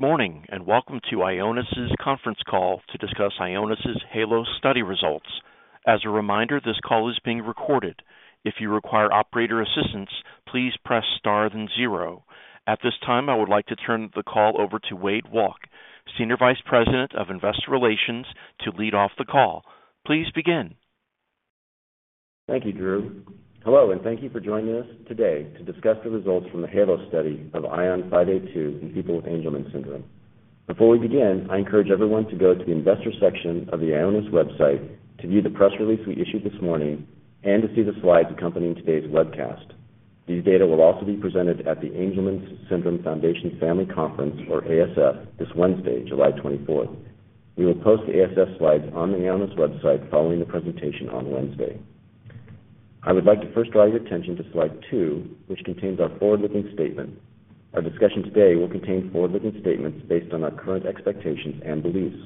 Good morning, and welcome to Ionis's conference call to discuss Ionis's HALOS study results. As a reminder, this call is being recorded. If you require operator assistance, please press star then zero. At this time, I would like to turn the call over to Wade Walke, Senior Vice President of Investor Relations, to lead off the call. Please begin. Thank you, Drew. Hello, and thank you for joining us today to discuss the results from the HALOS study of ION582 in people with Angelman syndrome. Before we begin, I encourage everyone to go to the Investor section of the Ionis website to view the press release we issued this morning and to see the slides accompanying today's webcast. These data will also be presented at the Angelman syndrome Foundation Family Conference, or ASF, this Wednesday, July 24th. We will post the ASF slides on the Ionis website following the presentation on Wednesday. I would like to first draw your attention to slide two, which contains our forward-looking statement. Our discussion today will contain forward-looking statements based on our current expectations and beliefs.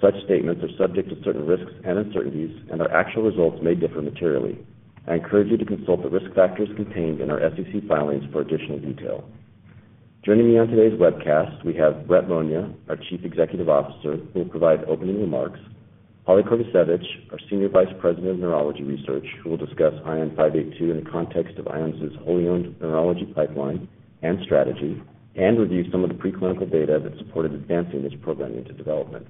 Such statements are subject to certain risks and uncertainties, and our actual results may differ materially. I encourage you to consult the risk factors contained in our SEC filings for additional detail. Joining me on today's webcast, we have Brett Monia, our Chief Executive Officer, who will provide opening remarks. Holly Kordasiewicz, our Senior Vice President of Neurology Research, who will discuss ION582 in the context of Ionis's wholly-owned neurology pipeline and strategy, and review some of the preclinical data that supported advancing this program into development.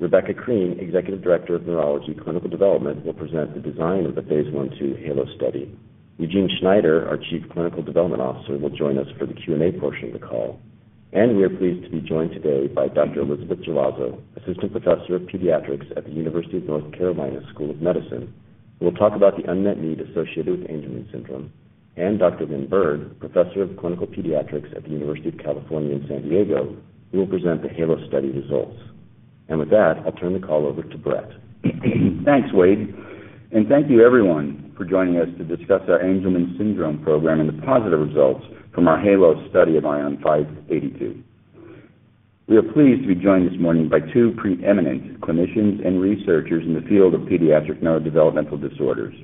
Rebecca Crean, Executive Director of Neurology Clinical Development, will present the design of the phase I/II HALOS study. Eugene Schneider, our Chief Clinical Development Officer, will join us for the Q&A portion of the call. We are pleased to be joined today by Dr. Elizabeth Jalazo, Assistant Professor of Pediatrics at the University of North Carolina School of Medicine, who will talk about the unmet need associated with Angelman syndrome. And Dr. Lynne Bird, Professor of Clinical Pediatrics at the University of California San Diego, who will present the HALOS study results. With that, I'll turn the call over to Brett. Thanks, Wade. And thank you, everyone, for joining us to discuss our Angelman syndrome program and the positive results from our HALOS study of ION582. We are pleased to be joined this morning by two preeminent clinicians and researchers in the field of pediatric neurodevelopmental disorders.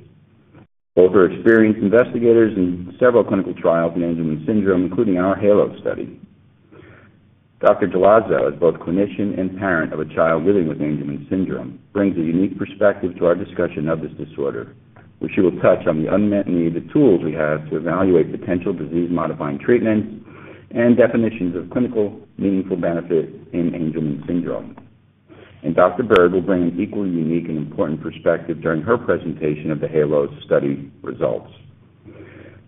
Both are experienced investigators in several clinical trials in Angelman syndrome, including our HALOS study. Dr. Jalazo, as both clinician and parent of a child living with Angelman syndrome, brings a unique perspective to our discussion of this disorder, where she will touch on the unmet need of tools we have to evaluate potential disease-modifying treatments and definitions of clinically meaningful benefit in Angelman syndrome. Dr. Bird will bring an equally unique and important perspective during her presentation of the HALOS study results.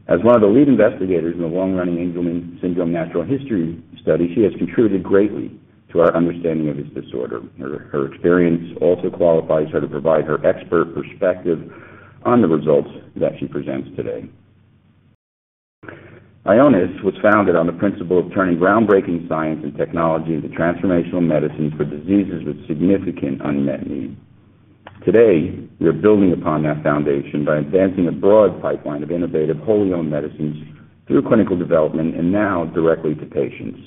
As one of the lead investigators in the long-running Angelman syndrome natural history study, she has contributed greatly to our understanding of this disorder. Her experience also qualifies her to provide her expert perspective on the results that she presents today. Ionis was founded on the principle of turning groundbreaking science and technology into transformational medicines for diseases with significant unmet need. Today, we are building upon that foundation by advancing a broad pipeline of innovative wholly-owned medicines through clinical development and now directly to patients.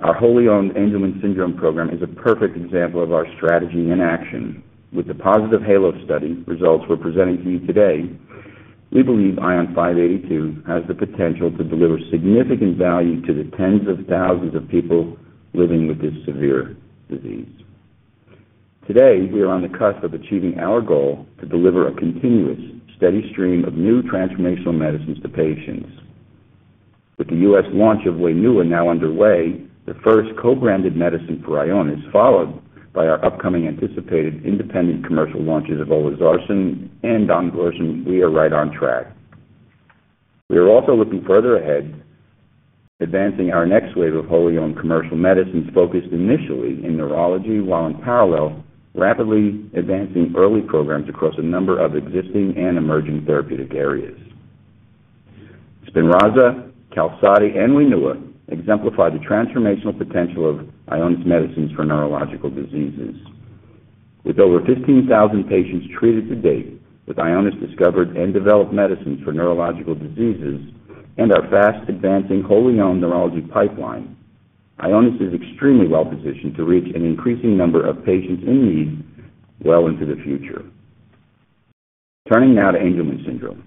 Our wholly-owned Angelman syndrome program is a perfect example of our strategy in action. With the positive HALOS study results we're presenting to you today, we believe ION582 has the potential to deliver significant value to the tens of thousands of people living with this severe disease. Today, we are on the cusp of achieving our goal to deliver a continuous, steady stream of new transformational medicines to patients. With the U.S. launch of WAINUA now underway, the first co-branded medicine for Ionis followed by our upcoming anticipated independent commercial launches of olezarsen and donidalorsen, we are right on track. We are also looking further ahead, advancing our next wave of wholly-owned commercial medicines focused initially in neurology while, in parallel, rapidly advancing early programs across a number of existing and emerging therapeutic areas. SPINRAZA, QALSODY, and WAINUA exemplify the transformational potential of Ionis medicines for neurological diseases. With over 15,000 patients treated to date, with Ionis' discovered and developed medicines for neurological diseases and our fast-advancing wholly-owned neurology pipeline, Ionis is extremely well-positioned to reach an increasing number of patients in need well into the future. Turning now to Angelman syndrome.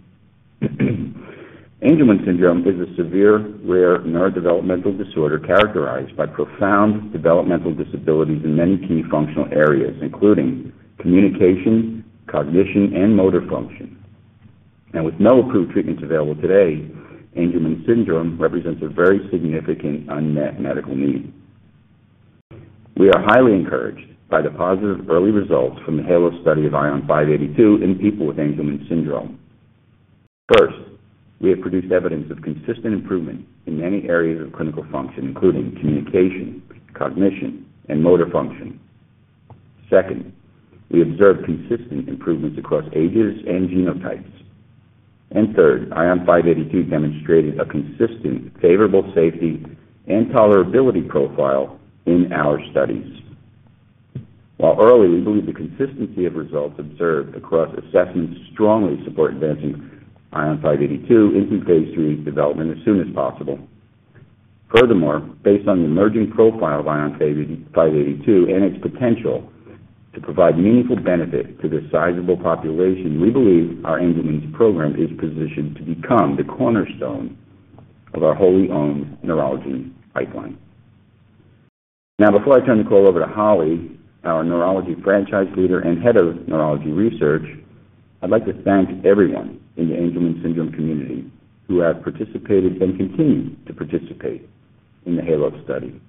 Angelman syndrome is a severe, rare neurodevelopmental disorder characterized by profound developmental disabilities in many key functional areas, including communication, cognition, and motor function. With no approved treatments available today, Angelman syndrome represents a very significant unmet medical need. We are highly encouraged by the positive early results from the HALOS study of ION582 in people with Angelman syndrome. First, we have produced evidence of consistent improvement in many areas of clinical function, including communication, cognition, and motor function. Second, we observed consistent improvements across ages and genotypes. And third, ION582 demonstrated a consistent favorable safety and tolerability profile in our studies. While early, we believe the consistency of results observed across assessments strongly support advancing ION582 into phase III development as soon as possible. Furthermore, based on the emerging profile of ION582 and its potential to provide meaningful benefit to this sizable population, we believe our Angelman’s program is positioned to become the cornerstone of our wholly-owned neurology pipeline. Now, before I turn the call over to Holly, our neurology franchise leader and head of neurology research, I’d like to thank everyone in the Angelman syndrome community who have participated and continue to participate in the HALOS study.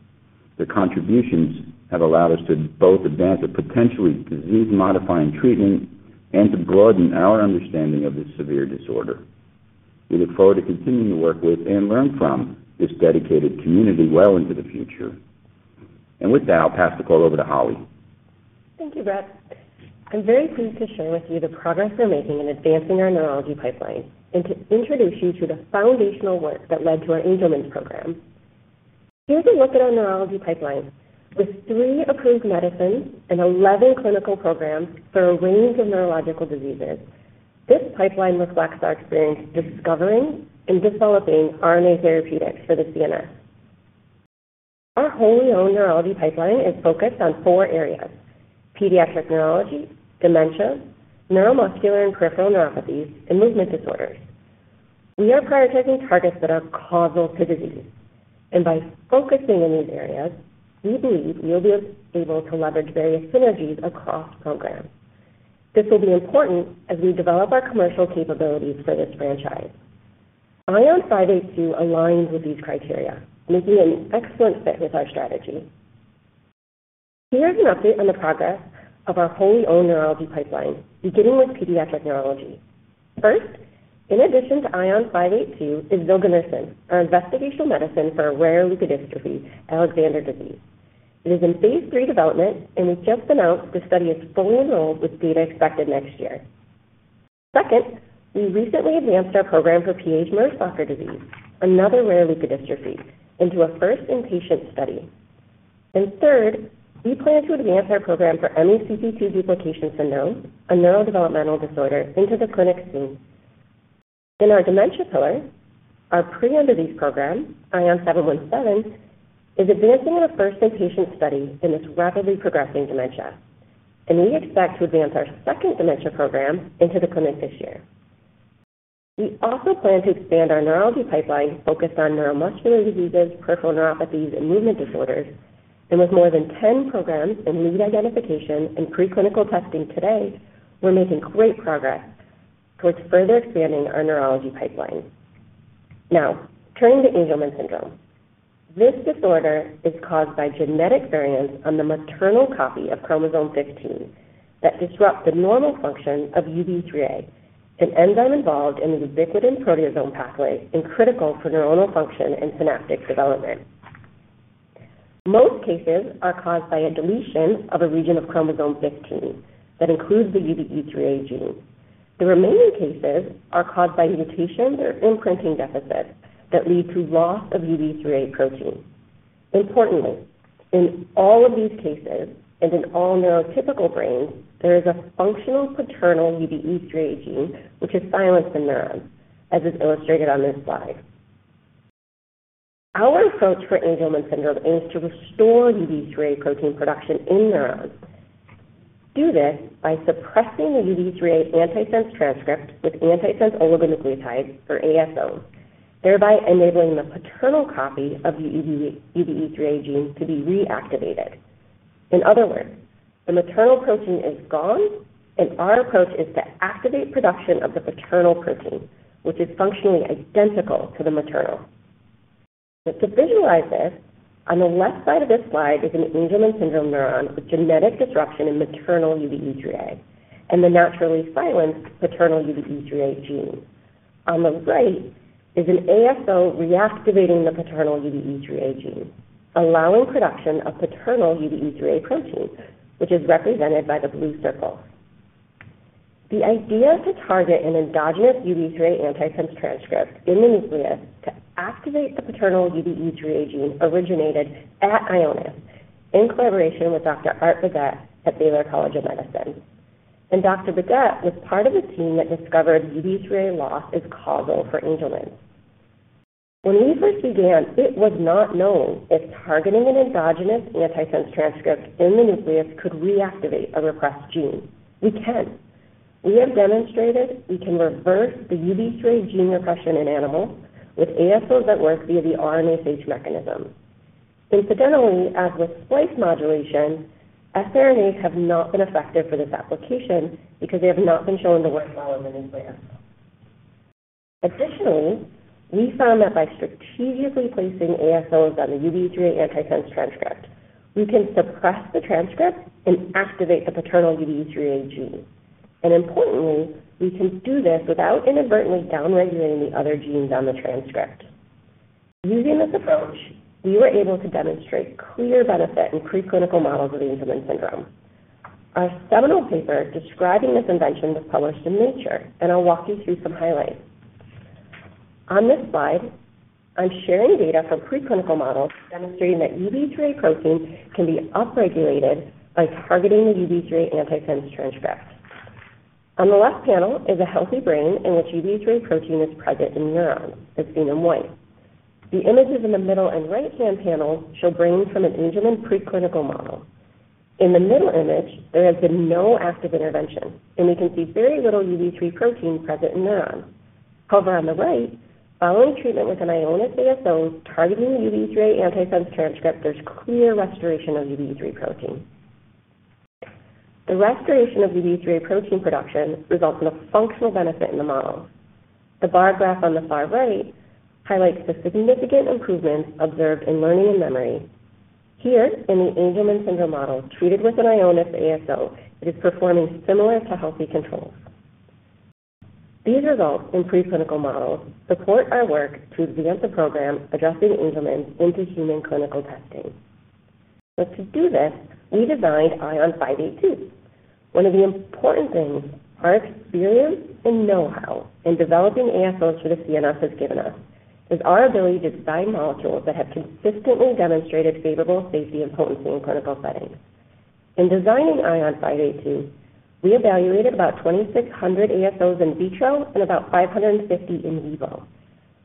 Their contributions have allowed us to both advance a potentially disease-modifying treatment and to broaden our understanding of this severe disorder. We look forward to continuing to work with and learn from this dedicated community well into the future. And with that, I’ll pass the call over to Holly. Thank you, Brett. I'm very pleased to share with you the progress we're making in advancing our neurology pipeline and to introduce you to the foundational work that led to our Angelman’s program. Here's a look at our neurology pipeline. With 3 approved medicines and 11 clinical programs for a range of neurological diseases, this pipeline reflects our experience discovering and developing RNA therapeutics for the CNS. Our wholly-owned neurology pipeline is focused on 4 areas: pediatric neurology, dementia, neuromuscular and peripheral neuropathies, and movement disorders. We are prioritizing targets that are causal to disease. And by focusing in these areas, we believe we'll be able to leverage various synergies across programs. This will be important as we develop our commercial capabilities for this franchise. ION582 aligns with these criteria, making it an excellent fit with our strategy. Here's an update on the progress of our wholly-owned neurology pipeline, beginning with pediatric neurology. First, in addition to ION582, is zilganersen, our investigational medicine for rare leukodystrophy Alexander disease. It is in phase III development, and we've just announced the study is fully enrolled with data expected next year. Second, we recently advanced our program for Pelizaeus–Merzbacher disease, another rare leukodystrophy, into a first-in-patient study. And third, we plan to advance our program for MECP2 duplication syndrome, a neurodevelopmental disorder, into the clinic soon. In our dementia pillar, our prion disease program, ION717, is advancing in a first-in-patient study in this rapidly progressing dementia. And we expect to advance our second dementia program into the clinic this year. We also plan to expand our neurology pipeline focused on neuromuscular diseases, peripheral neuropathies, and movement disorders. With more than 10 programs in lead identification and preclinical testing today, we're making great progress towards further expanding our neurology pipeline. Now, turning to Angelman syndrome. This disorder is caused by genetic variants on the maternal copy of chromosome 15 that disrupt the normal function of UBE3A, an enzyme involved in the ubiquitin-proteasome pathway and critical for neuronal function and synaptic development. Most cases are caused by a deletion of a region of chromosome 15 that includes the UBE3A gene. The remaining cases are caused by mutations or imprinting deficits that lead to loss of UBE3A protein. Importantly, in all of these cases and in all neurotypical brains, there is a functional paternal UBE3A gene, which is silenced in neurons, as is illustrated on this slide. Our approach for Angelman syndrome aims to restore UBE3A protein production in neurons. Do this by suppressing the UBE3A antisense transcript with antisense oligonucleotides, or ASO, thereby enabling the paternal copy of the UBE3A gene to be reactivated. In other words, the maternal protein is gone, and our approach is to activate production of the paternal protein, which is functionally identical to the maternal. To visualize this, on the left side of this slide is an Angelman syndrome neuron with genetic disruption in maternal UBE3A and the naturally silenced paternal UBE3A gene. On the right is an ASO reactivating the paternal UBE3A gene, allowing production of paternal UBE3A protein, which is represented by the blue circle. The idea to target an endogenous UBE3A antisense transcript in the nucleus to activate the paternal UBE3A gene originated at Ionis in collaboration with Dr. Art Beaudet at Baylor College of Medicine. And Dr. Beaudet was part of the team that discovered UBE3A loss is causal for Angelman syndrome. When we first began, it was not known if targeting an endogenous antisense transcript in the nucleus could reactivate a repressed gene. We can. We have demonstrated we can reverse the UBE3A gene repression in animals with ASOs that work via the RNase H mechanism. Incidentally, as with splice modulation, siRNAs have not been effective for this application because they have not been shown to work well in the nucleus. Additionally, we found that by strategically placing ASOs on the UBE3A antisense transcript, we can suppress the transcript and activate the paternal UBE3A gene. And importantly, we can do this without inadvertently downregulating the other genes on the transcript. Using this approach, we were able to demonstrate clear benefit in preclinical models of Angelman syndrome. Our seminal paper describing this invention was published in Nature, and I'll walk you through some highlights. On this slide, I'm sharing data from preclinical models demonstrating that UBE3A protein can be upregulated by targeting the UBE3A antisense transcript. On the left panel is a healthy brain in which UBE3A protein is present in neurons, as seen in white. The images in the middle and right-hand panel show brains from an Angelman preclinical model. In the middle image, there has been no active intervention, and we can see very little UBE3A protein present in neurons. However, on the right, following treatment with an Ionis ASO targeting the UBE3A antisense transcript, there's clear restoration of UBE3A protein. The restoration of UBE3A protein production results in a functional benefit in the model. The bar graph on the far right highlights the significant improvement observed in learning and memory. Here, in the Angelman syndrome model treated with an Ionis ASO, it is performing similar to healthy controls. These results in preclinical models support our work to advance the program advancing Angelman syndrome into human clinical testing. To do this, we designed ION582. One of the important things our experience and know-how in developing ASOs for the CNS has given us is our ability to design molecules that have consistently demonstrated favorable safety and potency in clinical settings. In designing ION582, we evaluated about 2,600 ASOs in vitro and about 550 in vivo.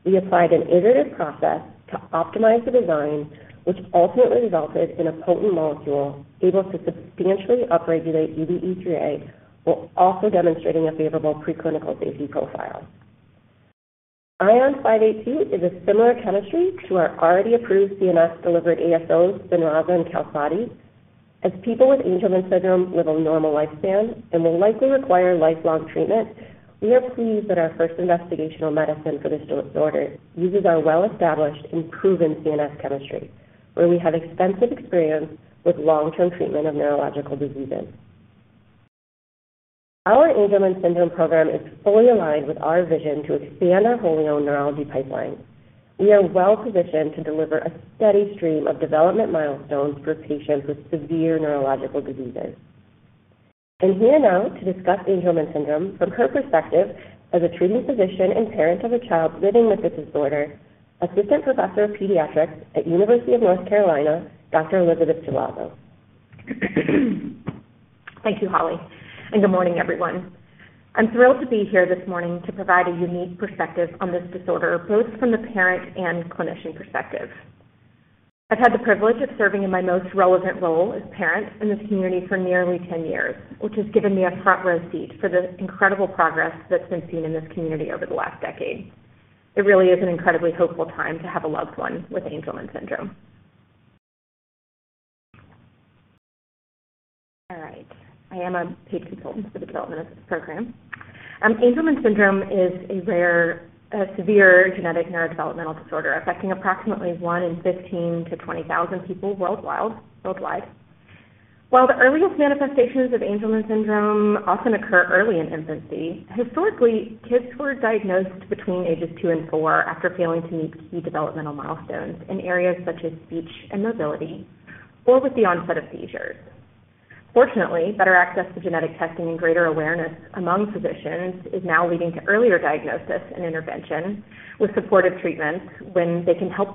We applied an iterative process to optimize the design, which ultimately resulted in a potent molecule able to substantially upregulate UBE3A while also demonstrating a favorable preclinical safety profile. ION582 is a similar chemistry to our already approved CNS-delivered ASOs, SPINRAZA and QALSODY, as people with Angelman syndrome live a normal lifespan and will likely require lifelong treatment. We are pleased that our first investigational medicine for this disorder uses our well-established and proven CNS chemistry, where we have extensive experience with long-term treatment of neurological diseases. Our Angelman syndrome program is fully aligned with our vision to expand our wholly-owned neurology pipeline. We are well-positioned to deliver a steady stream of development milestones for patients with severe neurological diseases. And here now to discuss Angelman syndrome from her perspective as a treating physician and parent of a child living with this disorder, Assistant Professor of Pediatrics at University of North Carolina, Dr. Elizabeth Jalazo. Thank you, Holly. Good morning, everyone. I'm thrilled to be here this morning to provide a unique perspective on this disorder, both from the parent and clinician perspective. I've had the privilege of serving in my most relevant role as parent in this community for nearly 10 years, which has given me a front-row seat for the incredible progress that's been seen in this community over the last decade. It really is an incredibly hopeful time to have a loved one with Angelman syndrome. All right. I am a paid consultant for the development of this program. Angelman syndrome is a rare, severe genetic neurodevelopmental disorder affecting approximately 1 in 15,000 to 20,000 people worldwide. While the earliest manifestations of Angelman syndrome often occur early in infancy, historically, kids were diagnosed between ages 2 and 4 after failing to meet key developmental milestones in areas such as speech and mobility or with the onset of seizures. Fortunately, better access to genetic testing and greater awareness among physicians is now leading to earlier diagnosis and intervention with supportive treatments when they can help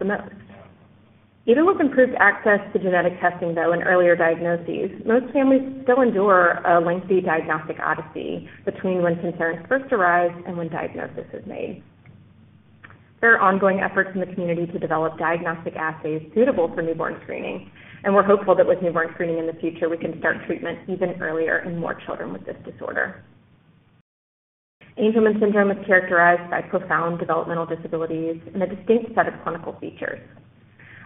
the most. Even with improved access to genetic testing, though, and earlier diagnoses, most families still endure a lengthy diagnostic odyssey between when concerns first arise and when diagnosis is made. There are ongoing efforts in the community to develop diagnostic assays suitable for newborn screening, and we're hopeful that with newborn screening in the future, we can start treatment even earlier in more children with this disorder. Angelman syndrome is characterized by profound developmental disabilities and a distinct set of clinical features.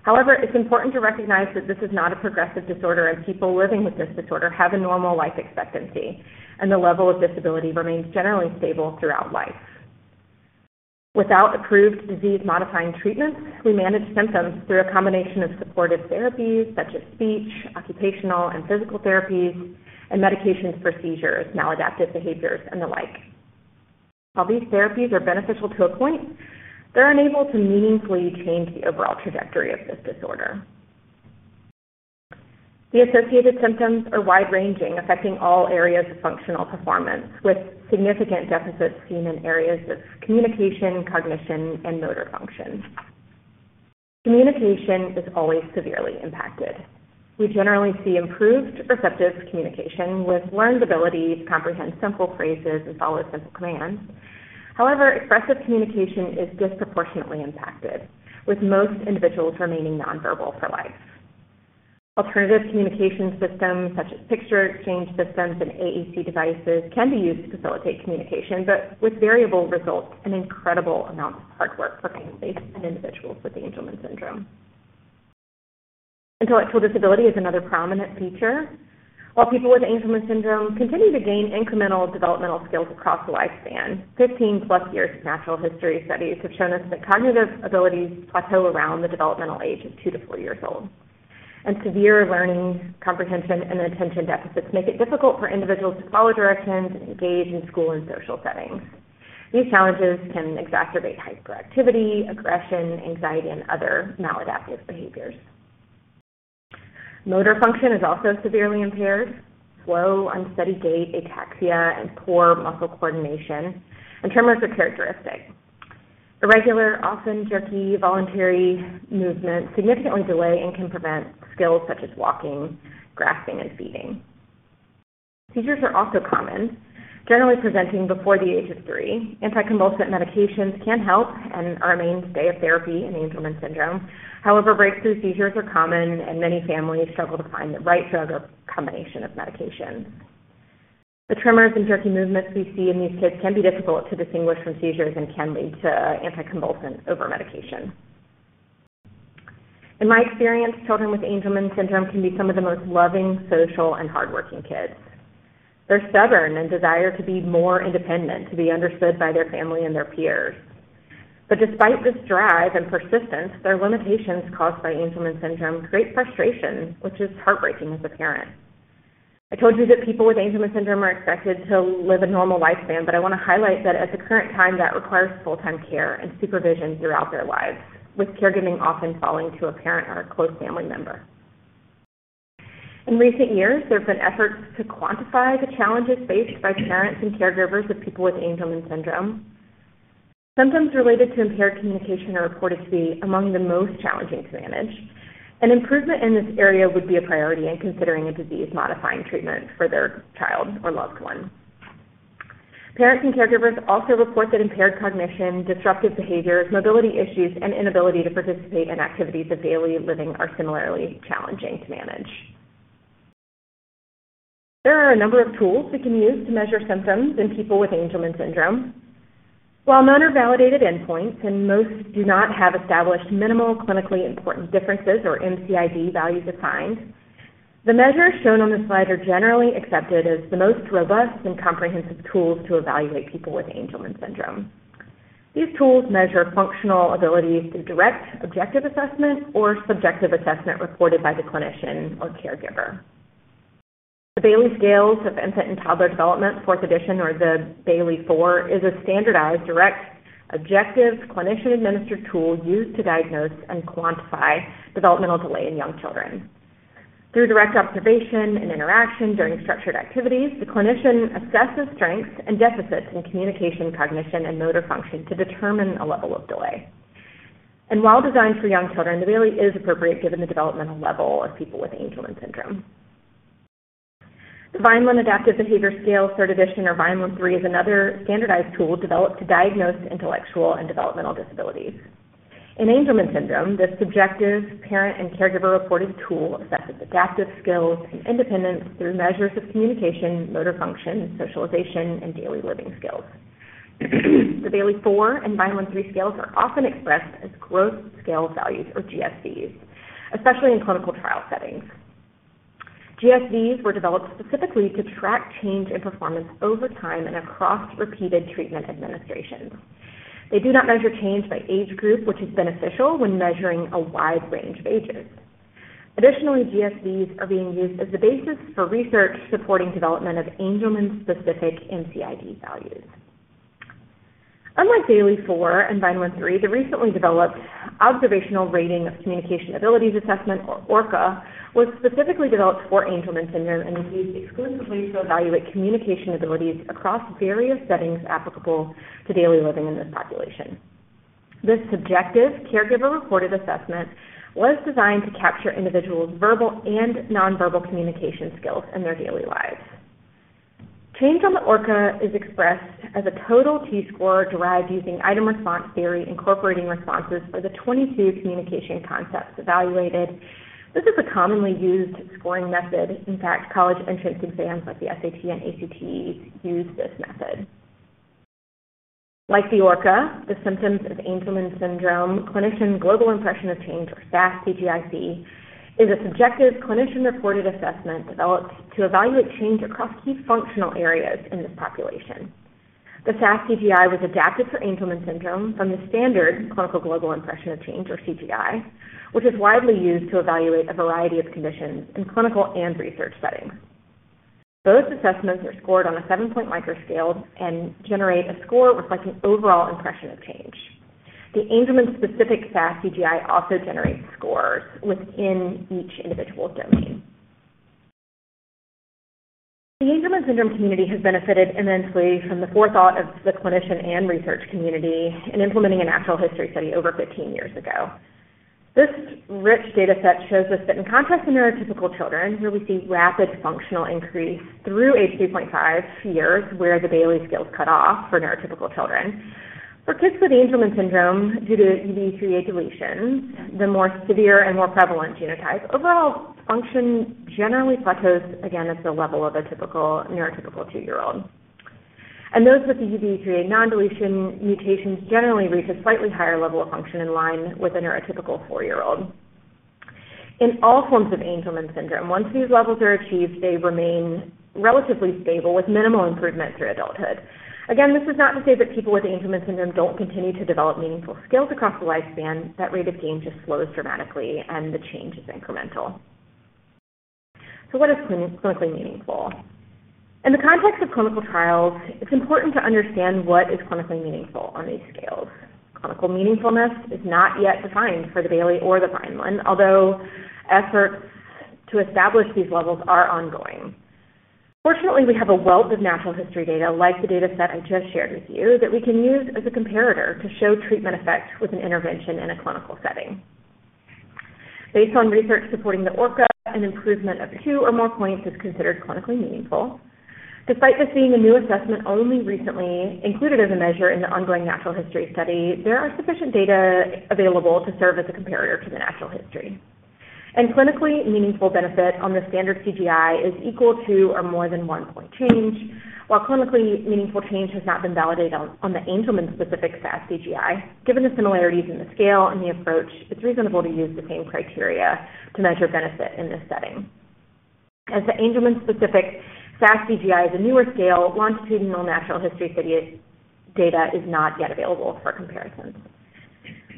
However, it's important to recognize that this is not a progressive disorder, and people living with this disorder have a normal life expectancy, and the level of disability remains generally stable throughout life. Without approved disease-modifying treatments, we manage symptoms through a combination of supportive therapies, such as speech, occupational, and physical therapies, and medications for seizures, maladaptive behaviors, and the like. While these therapies are beneficial to a point, they're unable to meaningfully change the overall trajectory of this disorder. The associated symptoms are wide-ranging, affecting all areas of functional performance, with significant deficits seen in areas of communication, cognition, and motor function. Communication is always severely impacted. We generally see improved receptive communication with learned ability to comprehend simple phrases and follow simple commands. However, expressive communication is disproportionately impacted, with most individuals remaining nonverbal for life. Alternative communication systems, such as picture exchange systems and AAC devices, can be used to facilitate communication, but with variable results and incredible amounts of hard work for families and individuals with Angelman syndrome. Intellectual disability is another prominent feature. While people with Angelman syndrome continue to gain incremental developmental skills across the lifespan, 15+ years of natural history studies have shown us that cognitive abilities plateau around the developmental age of two to four years old. Severe learning, comprehension, and attention deficits make it difficult for individuals to follow directions and engage in school and social settings. These challenges can exacerbate hyperactivity, aggression, anxiety, and other maladaptive behaviors. Motor function is also severely impaired. Slow, unsteady gait, ataxia, and poor muscle coordination, and tremors are characteristic. Irregular, often jerky, voluntary movements significantly delay and can prevent skills such as walking, grasping, and feeding. Seizures are also common, generally presenting before the age of three. Anticonvulsant medications can help and remain a mainstay of therapy in Angelman syndrome. However, breakthrough seizures are common, and many families struggle to find the right drug or combination of medications. The tremors and jerky movements we see in these kids can be difficult to distinguish from seizures and can lead to anticonvulsant overmedication. In my experience, children with Angelman syndrome can be some of the most loving, social, and hardworking kids. They're stubborn and desire to be more independent, to be understood by their family and their peers. But despite this drive and persistence, there are limitations caused by Angelman syndrome, great frustration, which is heartbreaking as a parent. I told you that people with Angelman syndrome are expected to live a normal lifespan, but I want to highlight that at the current time, that requires full-time care and supervision throughout their lives, with caregiving often falling to a parent or a close family member. In recent years, there have been efforts to quantify the challenges faced by parents and caregivers of people with Angelman syndrome. Symptoms related to impaired communication are reported to be among the most challenging to manage, and improvement in this area would be a priority in considering a disease-modifying treatment for their child or loved one. Parents and caregivers also report that impaired cognition, disruptive behaviors, mobility issues, and inability to participate in activities of daily living are similarly challenging to manage. There are a number of tools we can use to measure symptoms in people with Angelman syndrome. While none are validated endpoints and most do not have established minimal clinically important differences or MCID values assigned, the measures shown on the slide are generally accepted as the most robust and comprehensive tools to evaluate people with Angelman syndrome. These tools measure functional abilities through direct objective assessment or subjective assessment reported by the clinician or caregiver. The Bayley Scales of Infant and Toddler Development, Fourth Edition, or the Bayley-4, is a standardized direct objective clinician-administered tool used to diagnose and quantify developmental delay in young children. Through direct observation and interaction during structured activities, the clinician assesses strengths and deficits in communication, cognition, and motor function to determine a level of delay. While designed for young children, the Bayley is appropriate given the developmental level of people with Angelman syndrome. The Vineland Adaptive Behavior Scales, Third Edition, or Vineland-3, is another standardized tool developed to diagnose intellectual and developmental disabilities. In Angelman syndrome, the subjective parent and caregiver-reported tool assesses adaptive skills and independence through measures of communication, motor function, socialization, and daily living skills. The Bayley-4 and Vineland-3 scales are often expressed as gross scale values, or GSVs, especially in clinical trial settings. GSVs were developed specifically to track change in performance over time and across repeated treatment administrations. They do not measure change by age group, which is beneficial when measuring a wide range of ages. Additionally, GSVs are being used as the basis for research supporting development of Angelman-specific MCID values. Unlike Bayley-4 and Vineland-3, the recently developed Observational Rating of Communication Ability Assessment, or ORCA, was specifically developed for Angelman syndrome and is used exclusively to evaluate communication abilities across various settings applicable to daily living in this population. This subjective caregiver-reported assessment was designed to capture individuals' verbal and nonverbal communication skills in their daily lives. Change on the ORCA is expressed as a total T-score derived using item response theory, incorporating responses for the 22 communication concepts evaluated. This is a commonly used scoring method. In fact, college entrance exams like the SAT and ACT use this method. Like the ORCA, the Symptoms of Angelman syndrome–Clinician Global Impression of Change, or SAS-CGI-C, is a subjective clinician-reported assessment developed to evaluate change across key functional areas in this population. The SAS-CGI-C was adapted for Angelman syndrome from the standard Clinical Global Impression of Change, or CGI, which is widely used to evaluate a variety of conditions in clinical and research settings. Both assessments are scored on a seven-point micro scale and generate a score reflecting overall impression of change. The Angelman-specific SAS-CGI-C also generates scores within each individual's domain. The Angelman syndrome community has benefited immensely from the forethought of the clinician and research community in implementing a natural history study over 15 years ago. This rich dataset shows us that in contrast to neurotypical children, where we see rapid functional increase through age 3.5 years, where the Bayley scales cut off for neurotypical children, for kids with Angelman syndrome, due to UBE3A deletion, the more severe and more prevalent genotype, overall function generally plateaus again at the level of a typical neurotypical two-year-old. Those with the UBE3A non-deletion mutations generally reach a slightly higher level of function in line with a neurotypical four-year-old. In all forms of Angelman syndrome, once these levels are achieved, they remain relatively stable with minimal improvement through adulthood. Again, this is not to say that people with Angelman syndrome don't continue to develop meaningful skills across the lifespan. That rate of gain just slows dramatically, and the change is incremental. So what is clinically meaningful? In the context of clinical trials, it's important to understand what is clinically meaningful on these scales. Clinical meaningfulness is not yet defined for the Bayley or the Vineland, although efforts to establish these levels are ongoing. Fortunately, we have a wealth of natural history data, like the dataset I just shared with you, that we can use as a comparator to show treatment effects with an intervention in a clinical setting. Based on research supporting the ORCA and improvement of two or more points, it is considered clinically meaningful. Despite this being a new assessment only recently included as a measure in the ongoing natural history study, there are sufficient data available to serve as a comparator to the natural history. Clinically meaningful benefit on the standard CGI-C is equal to or more than one-point change, while clinically meaningful change has not been validated on the Angelman-specific SAS-CGI-C. Given the similarities in the scale and the approach, it's reasonable to use the same criteria to measure benefit in this setting. As the Angelman-specific SAS-CGI-C is a newer scale, longitudinal natural history data is not yet available for comparisons.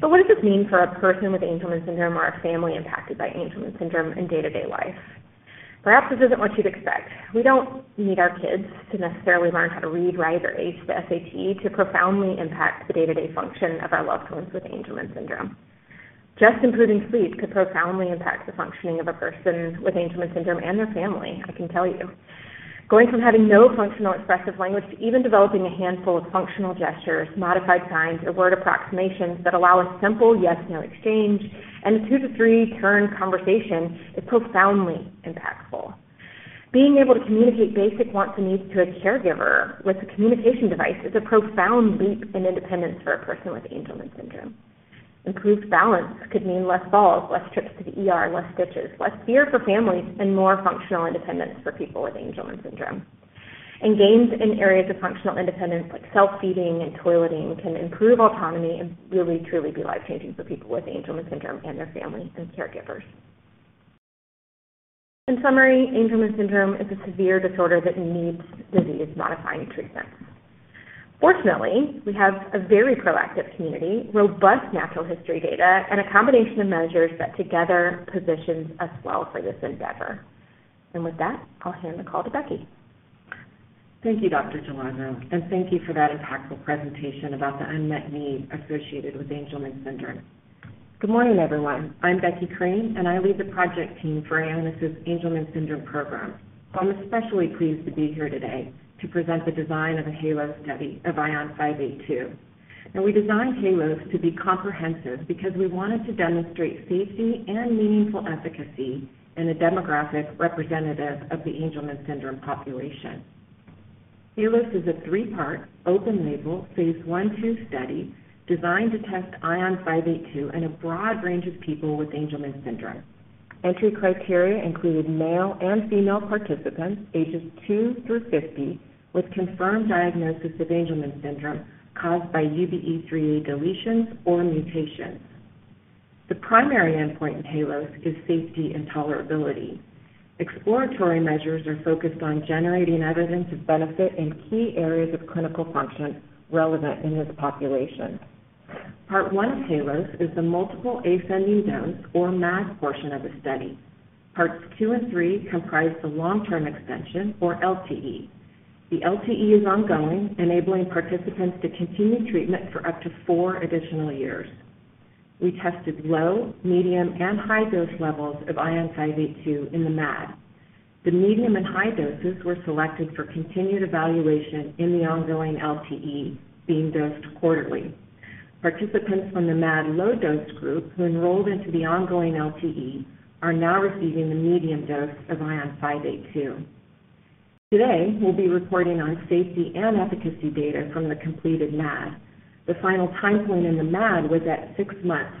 What does this mean for a person with Angelman syndrome or a family impacted by Angelman syndrome in day-to-day life? Perhaps this isn't what you'd expect. We don't need our kids to necessarily learn how to read, write, or ace the SAT to profoundly impact the day-to-day function of our loved ones with Angelman syndrome. Just improving sleep could profoundly impact the functioning of a person with Angelman syndrome and their family, I can tell you. Going from having no functional expressive language to even developing a handful of functional gestures, modified signs, or word approximations that allow a simple yes/no exchange and a 2-to-3-turn conversation is profoundly impactful. Being able to communicate basic wants and needs to a caregiver with a communication device is a profound leap in independence for a person with Angelman syndrome. Improved balance could mean less falls, less trips to the ER, less stitches, less fear for families, and more functional independence for people with Angelman syndrome. Gains in areas of functional independence, like self-feeding and toileting, can improve autonomy and really, truly be life-changing for people with Angelman syndrome and their family and caregivers. In summary, Angelman syndrome is a severe disorder that needs disease-modifying treatments. Fortunately, we have a very proactive community, robust natural history data, and a combination of measures that together positions us well for this endeavor. With that, I'll hand the call to Becky. Thank you, Dr. Jalazo, and thank you for that impactful presentation about the unmet need associated with Angelman syndrome. Good morning, everyone. I'm Becky Crean, and I lead the project team for Ionis's Angelman syndrome program. I'm especially pleased to be here today to present the design of the HALOS study of ION582. We designed HALOS to be comprehensive because we wanted to demonstrate safety and meaningful efficacy in a demographic representative of the Angelman syndrome population. HALOS is a three-part, open-label, phase I/II study designed to test ION582 in a broad range of people with Angelman syndrome. Entry criteria include male and female participants, ages 2 through 50, with confirmed diagnosis of Angelman syndrome caused by UBE3A deletions or mutations. The primary endpoint in HALOS is safety and tolerability. Exploratory measures are focused on generating evidence of benefit in key areas of clinical function relevant in this population. Part I of HALOS is the multiple ascending dose or MAD portion of the study. Parts II and III comprise the long-term extension, or LTE. The LTE is ongoing, enabling participants to continue treatment for up to four additional years. We tested low, medium, and high dose levels of ION582 in the MAD. The medium and high doses were selected for continued evaluation in the ongoing LTE, being dosed quarterly. Participants from the MAD low dose group who enrolled into the ongoing LTE are now receiving the medium dose of ION582. Today, we'll be reporting on safety and efficacy data from the completed MAD. The final timeframe in the MAD was at 6 months.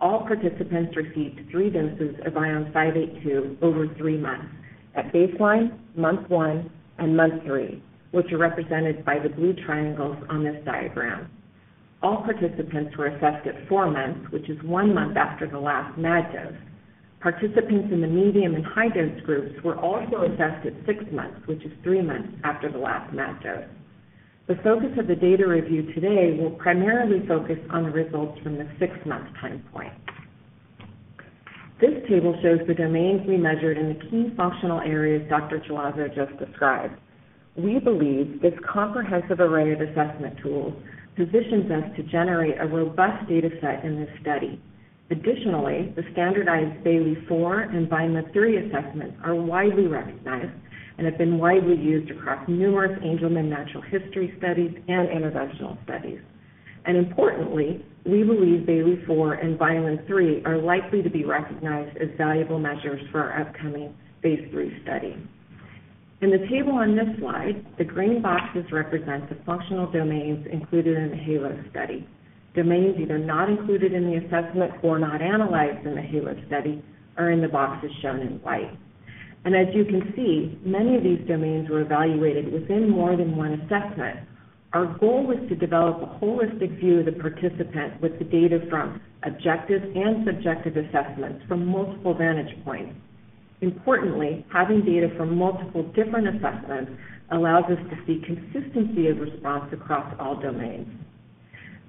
All participants received 3 doses of ION582 over 3 months at baseline, month 1, and month 3, which are represented by the blue triangles on this diagram. All participants were assessed at 4 months, which is 1 month after the last MAD dose. Participants in the medium and high dose groups were also assessed at 6 months, which is 3 months after the last MAD dose. The focus of the data review today will primarily focus on the results from the six-month timeframe. This table shows the domains we measured in the key functional areas Dr. Jalazo just described. We believe this comprehensive array of assessment tools positions us to generate a robust dataset in this study. Additionally, the standardized Bayley-4 and Vineland-3 assessments are widely recognized and have been widely used across numerous Angelman natural history studies and interventional studies. Importantly, we believe Bayley-4 and Vineland-3 are likely to be recognized as valuable measures for our upcoming phase III study. In the table on this slide, the green boxes represent the functional domains included in the HALOS study. Domains either not included in the assessment or not analyzed in the HALOS study are in the boxes shown in white. As you can see, many of these domains were evaluated within more than one assessment. Our goal was to develop a holistic view of the participant with the data from objective and subjective assessments from multiple vantage points. Importantly, having data from multiple different assessments allows us to see consistency of response across all domains.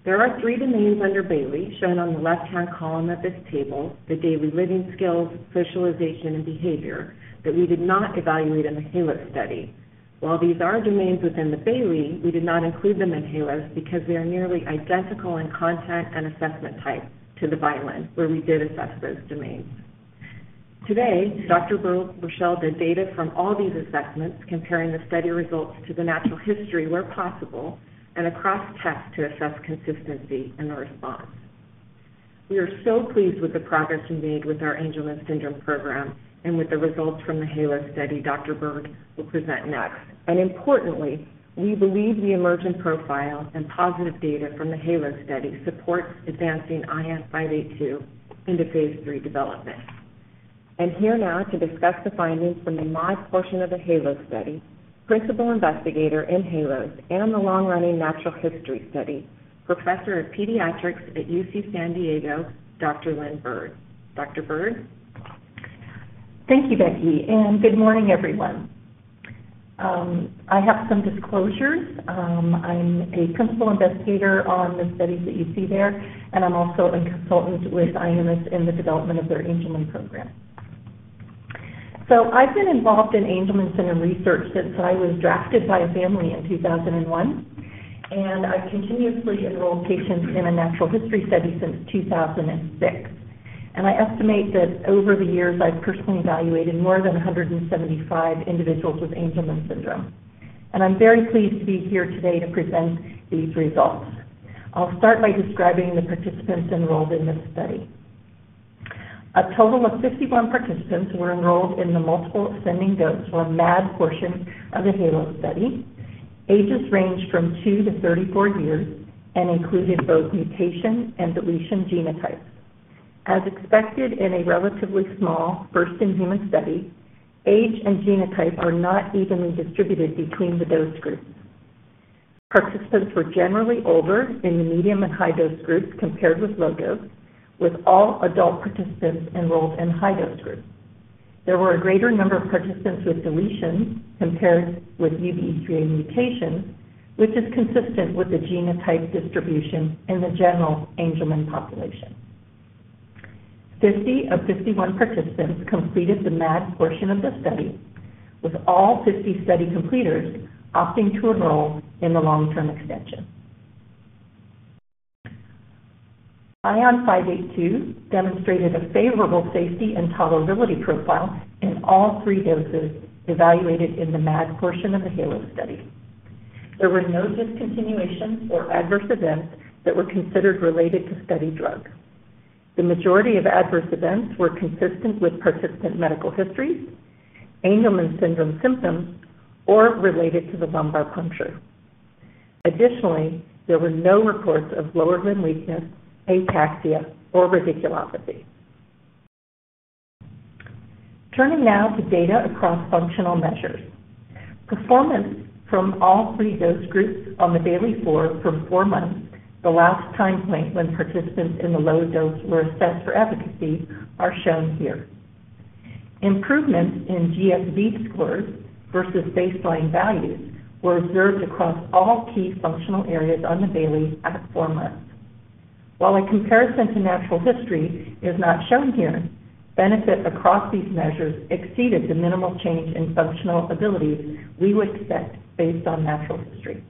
There are three domains under Bayley shown on the left-hand column of this table: the daily living skills, socialization, and behavior that we did not evaluate in the HALOS study. While these are domains within the Bayley, we did not include them in HALOS because they are nearly identical in content and assessment type to the Vineland, where we did assess those domains. Today, Dr. Brooke Rochelle did data from all these assessments, comparing the study results to the natural history where possible and a cross-test to assess consistency in the response. We are so pleased with the progress we made with our Angelman syndrome program and with the results from the HALOS study Dr. Bird will present next. Importantly, we believe the emergent profile and positive data from the HALOS study support advancing ION582 into phase III development. Here now to discuss the findings from the MAD portion of the HALOS study, principal investigator in HALOS and the long-running natural history study, Professor of Pediatrics at UC San Diego, Dr. Lynne Bird. Dr. Bird? Thank you, Becky. Good morning, everyone. I have some disclosures. I'm a principal investigator on the studies that you see there, and I'm also a consultant with Ionis in the development of their Angelman syndrome program. So I've been involved in Angelman syndrome research since I was drafted by a family in 2001, and I've continuously enrolled patients in a natural history study since 2006. I estimate that over the years, I've personally evaluated more than 175 individuals with Angelman syndrome. I'm very pleased to be here today to present these results. I'll start by describing the participants enrolled in this study. A total of 51 participants were enrolled in the multiple ascending dose or MAD portion of the HALOS study. Ages ranged from 2 to 34 years and included both mutation and deletion genotypes. As expected in a relatively small first-in-human study, age and genotype are not evenly distributed between the dose groups. Participants were generally older in the medium and high dose groups compared with low dose, with all adult participants enrolled in high dose groups. There were a greater number of participants with deletion compared with UBE3A mutation, which is consistent with the genotype distribution in the general Angelman syndrome population. 50 of 51 participants completed the MAD portion of the study, with all 50 study completers opting to enroll in the long-term extension. ION582 demonstrated a favorable safety and tolerability profile in all three doses evaluated in the MAD portion of the HALOS study. There were no discontinuations or adverse events that were considered related to study drug. The majority of adverse events were consistent with participant medical histories, Angelman syndrome symptoms, or related to the lumbar puncture. Additionally, there were no reports of lower limb weakness, ataxia, or radiculopathy. Turning now to data across functional measures. Performance from all three dose groups on the Bayley-4 from four months, the last timeframe when participants in the low dose were assessed for efficacy, are shown here. Improvements in GSV scores versus baseline values were observed across all key functional areas on the Bayley-4 at four months. While a comparison to natural history is not shown here, benefit across these measures exceeded the minimal change in functional abilities we would expect based on natural history.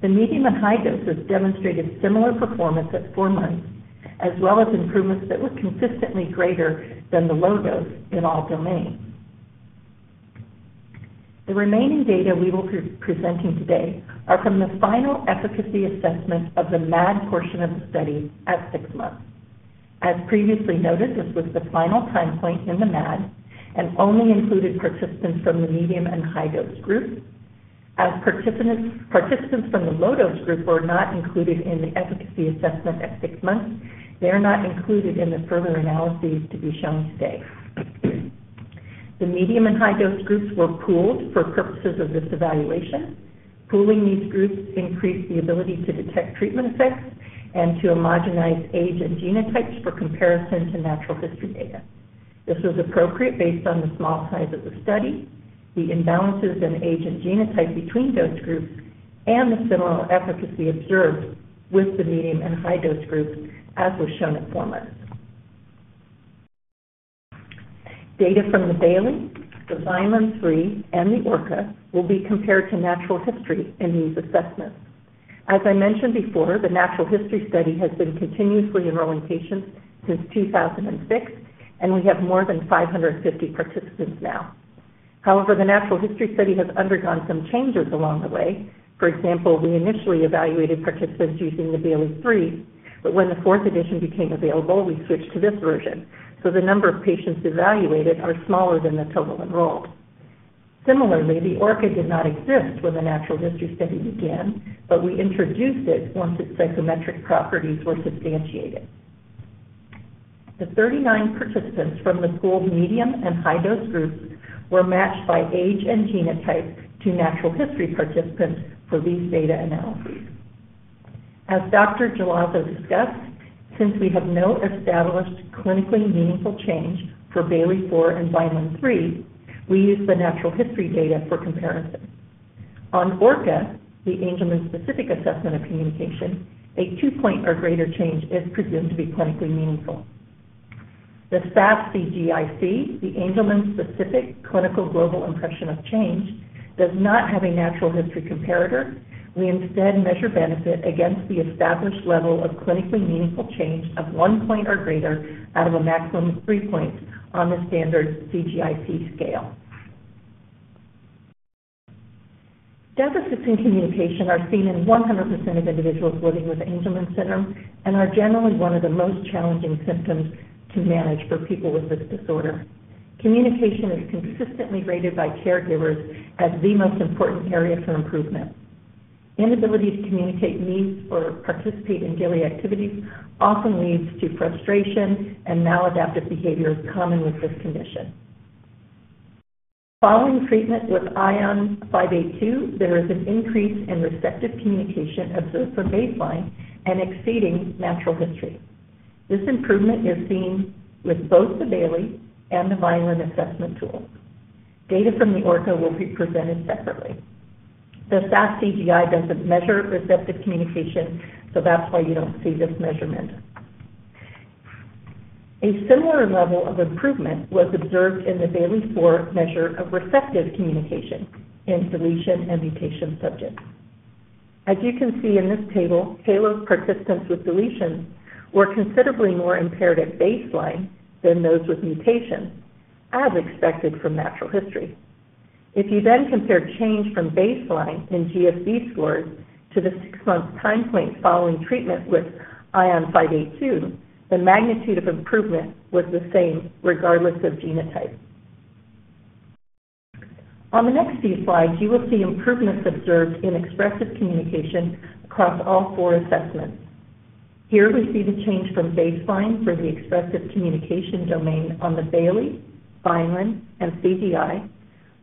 The medium and high doses demonstrated similar performance at four months, as well as improvements that were consistently greater than the low dose in all domains. The remaining data we will be presenting today are from the final efficacy assessment of the MAD portion of the study at six months. As previously noted, this was the final timeframe in the MAD and only included participants from the medium and high dose groups. As participants from the low dose group were not included in the efficacy assessment at 6 months, they are not included in the further analyses to be shown today. The medium and high dose groups were pooled for purposes of this evaluation. Pooling these groups increased the ability to detect treatment effects and to homogenize age and genotypes for comparison to natural history data. This was appropriate based on the small size of the study, the imbalances in age and genotype between dose groups, and the similar efficacy observed with the medium and high dose groups, as was shown at 4 months. Data from the Bayley, the Vineland-3, and the ORCA will be compared to natural history in these assessments. As I mentioned before, the natural history study has been continuously enrolling patients since 2006, and we have more than 550 participants now. However, the natural history study has undergone some changes along the way. For example, we initially evaluated participants using the Bayley-3, but when the fourth edition became available, we switched to this version. So the number of patients evaluated is smaller than the total enrolled. Similarly, the ORCA did not exist when the natural history study began, but we introduced it once its psychometric properties were substantiated. The 39 participants from the study's medium and high dose groups were matched by age and genotype to natural history participants for these data analyses. As Dr. Jalazo discussed, since we have no established clinically meaningful change for Bayley-4 and Vineland-3, we use the natural history data for comparison. On ORCA, the Angelman-specific assessment of communication, a 2-point or greater change is presumed to be clinically meaningful. The SAS-CGI-C, the Angelman-specific clinical global impression of change, does not have a natural history comparator. We instead measure benefit against the established level of clinically meaningful change of one point or greater out of a maximum of three points on the standard CGI-C scale. Deficits in communication are seen in 100% of individuals living with Angelman syndrome and are generally one of the most challenging symptoms to manage for people with this disorder. Communication is consistently rated by caregivers as the most important area for improvement. Inability to communicate needs or participate in daily activities often leads to frustration and maladaptive behaviors common with this condition. Following treatment with ION582, there is an increase in receptive communication observed from baseline and exceeding natural history. This improvement is seen with both the Bayley and the Vineland assessment tools. Data from the ORCA will be presented separately. The SAS-CGI-C doesn't measure receptive communication, so that's why you don't see this measurement. A similar level of improvement was observed in the Bayley-4 measure of receptive communication in deletion and mutation subjects. As you can see in this table, HALOS participants with deletion were considerably more impaired at baseline than those with mutation, as expected from natural history. If you then compare change from baseline in GSV scores to the 6-month timeframe following treatment with ION582, the magnitude of improvement was the same regardless of genotype. On the next few slides, you will see improvements observed in expressive communication across all four assessments. Here we see the change from baseline for the expressive communication domain on the Bayley, Vineland, and CGI,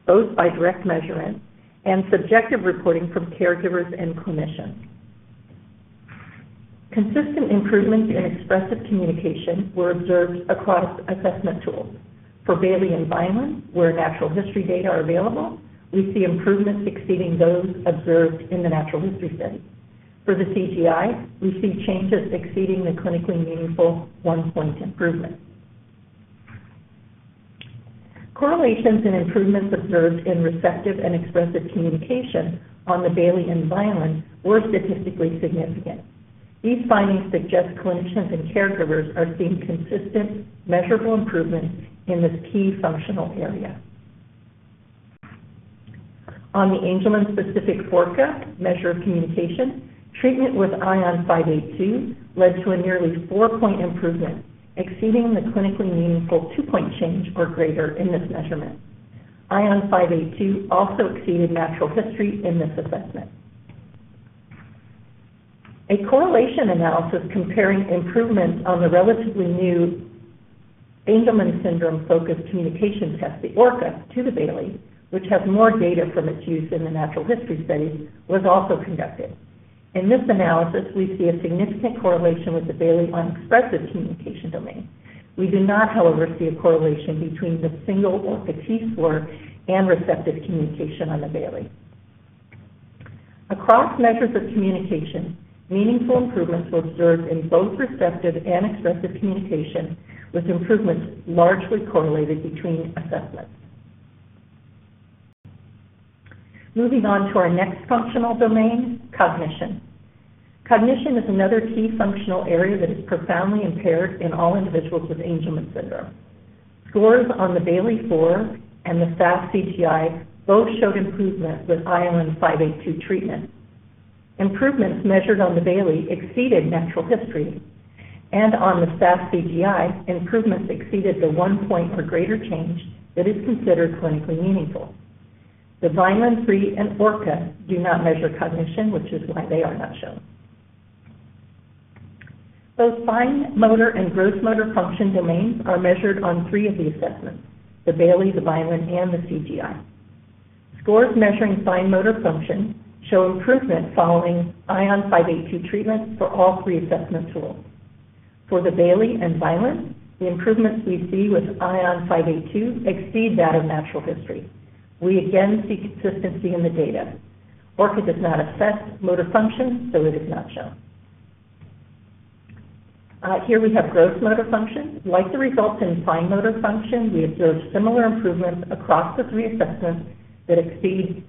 both by direct measurement and subjective reporting from caregivers and clinicians. Consistent improvements in expressive communication were observed across assessment tools. For Bayley and Vineland, where natural history data are available, we see improvements exceeding those observed in the natural history study. For the CGI, we see changes exceeding the clinically meaningful 1-point improvement. Correlations in improvements observed in receptive and expressive communication on the Bayley and Vineland were statistically significant. These findings suggest clinicians and caregivers are seeing consistent measurable improvements in this key functional area. On the Angelman-specific ORCA measure of communication, treatment with ION582 led to a nearly 4-point improvement, exceeding the clinically meaningful 2-point change or greater in this measurement. ION582 also exceeded natural history in this assessment. A correlation analysis comparing improvements on the relatively new Angelman Syndrome-focused communication test, the ORCA, to the Bayley, which has more data from its use in the natural history studies, was also conducted. In this analysis, we see a significant correlation with the Bayley on expressive communication domain. We do not, however, see a correlation between the single ORCA T-score and receptive communication on the Bayley. Across measures of communication, meaningful improvements were observed in both receptive and expressive communication, with improvements largely correlated between assessments. Moving on to our next functional domain, cognition. Cognition is another key functional area that is profoundly impaired in all individuals with Angelman syndrome. Scores on the Bayley-4 and the SAS-CGI-C both showed improvement with ION582 treatment. Improvements measured on the Bayley exceeded natural history, and on the SAS-CGI-C, improvements exceeded the 1-point or greater change that is considered clinically meaningful. The Vineland-3 and ORCA do not measure cognition, which is why they are not shown. Both fine motor and gross motor function domains are measured on three of the assessments: the Bayley, the Vineland, and the CGI. Scores measuring fine motor function show improvement following ION582 treatment for all three assessment tools. For the Bayley and Vineland, the improvements we see with ION582 exceed that of natural history. We again see consistency in the data. ORCA does not assess motor function, so it is not shown. Here we have gross motor function. Like the results in fine motor function, we observe similar improvements across the three assessments that exceed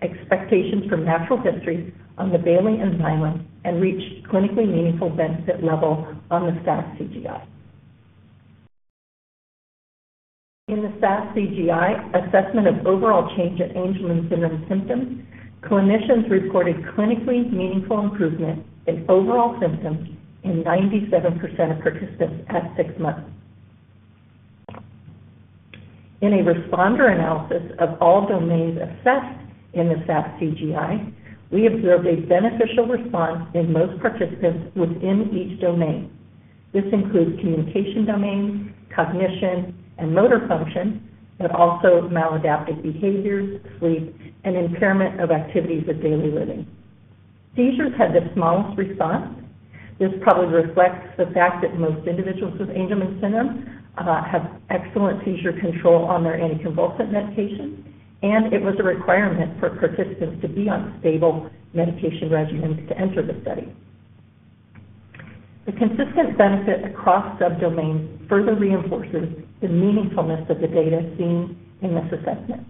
expectations from natural history on the Bayley and Vineland and reach clinically meaningful benefit level on the SAS-CGI-C. In the SAS-CGI-C assessment of overall change in Angelman syndrome symptoms, clinicians reported clinically meaningful improvement in overall symptoms in 97% of participants at six months. In a responder analysis of all domains assessed in the SAS-CGI-C, we observed a beneficial response in most participants within each domain. This includes communication domain, cognition, and motor function, but also maladaptive behaviors, sleep, and impairment of activities of daily living. Seizures had the smallest response. This probably reflects the fact that most individuals with Angelman syndrome have excellent seizure control on their anticonvulsant medication, and it was a requirement for participants to be on stable medication regimens to enter the study. The consistent benefit across subdomains further reinforces the meaningfulness of the data seen in this assessment.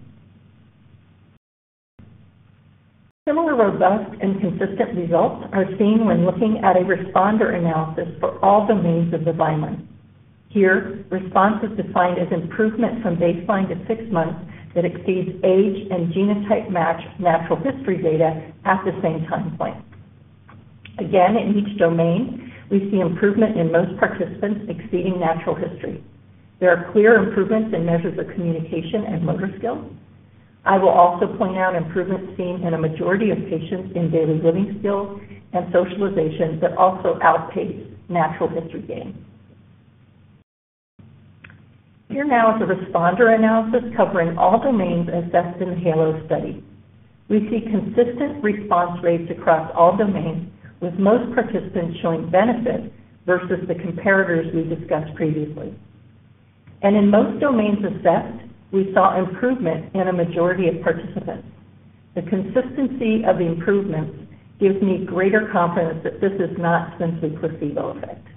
Similar robust and consistent results are seen when looking at a responder analysis for all domains of the Vineland. Here, response is defined as improvement from baseline to six months that exceeds age and genotype match natural history data at the same timeframe. Again, in each domain, we see improvement in most participants exceeding natural history. There are clear improvements in measures of communication and motor skills. I will also point out improvements seen in a majority of patients in daily living skills and socialization that also outpace natural history gains. Here now is a responder analysis covering all domains assessed in the HALOS study. We see consistent response rates across all domains, with most participants showing benefit versus the comparators we discussed previously. And in most domains assessed, we saw improvement in a majority of participants. The consistency of the improvements gives me greater confidence that this is not simply placebo effect.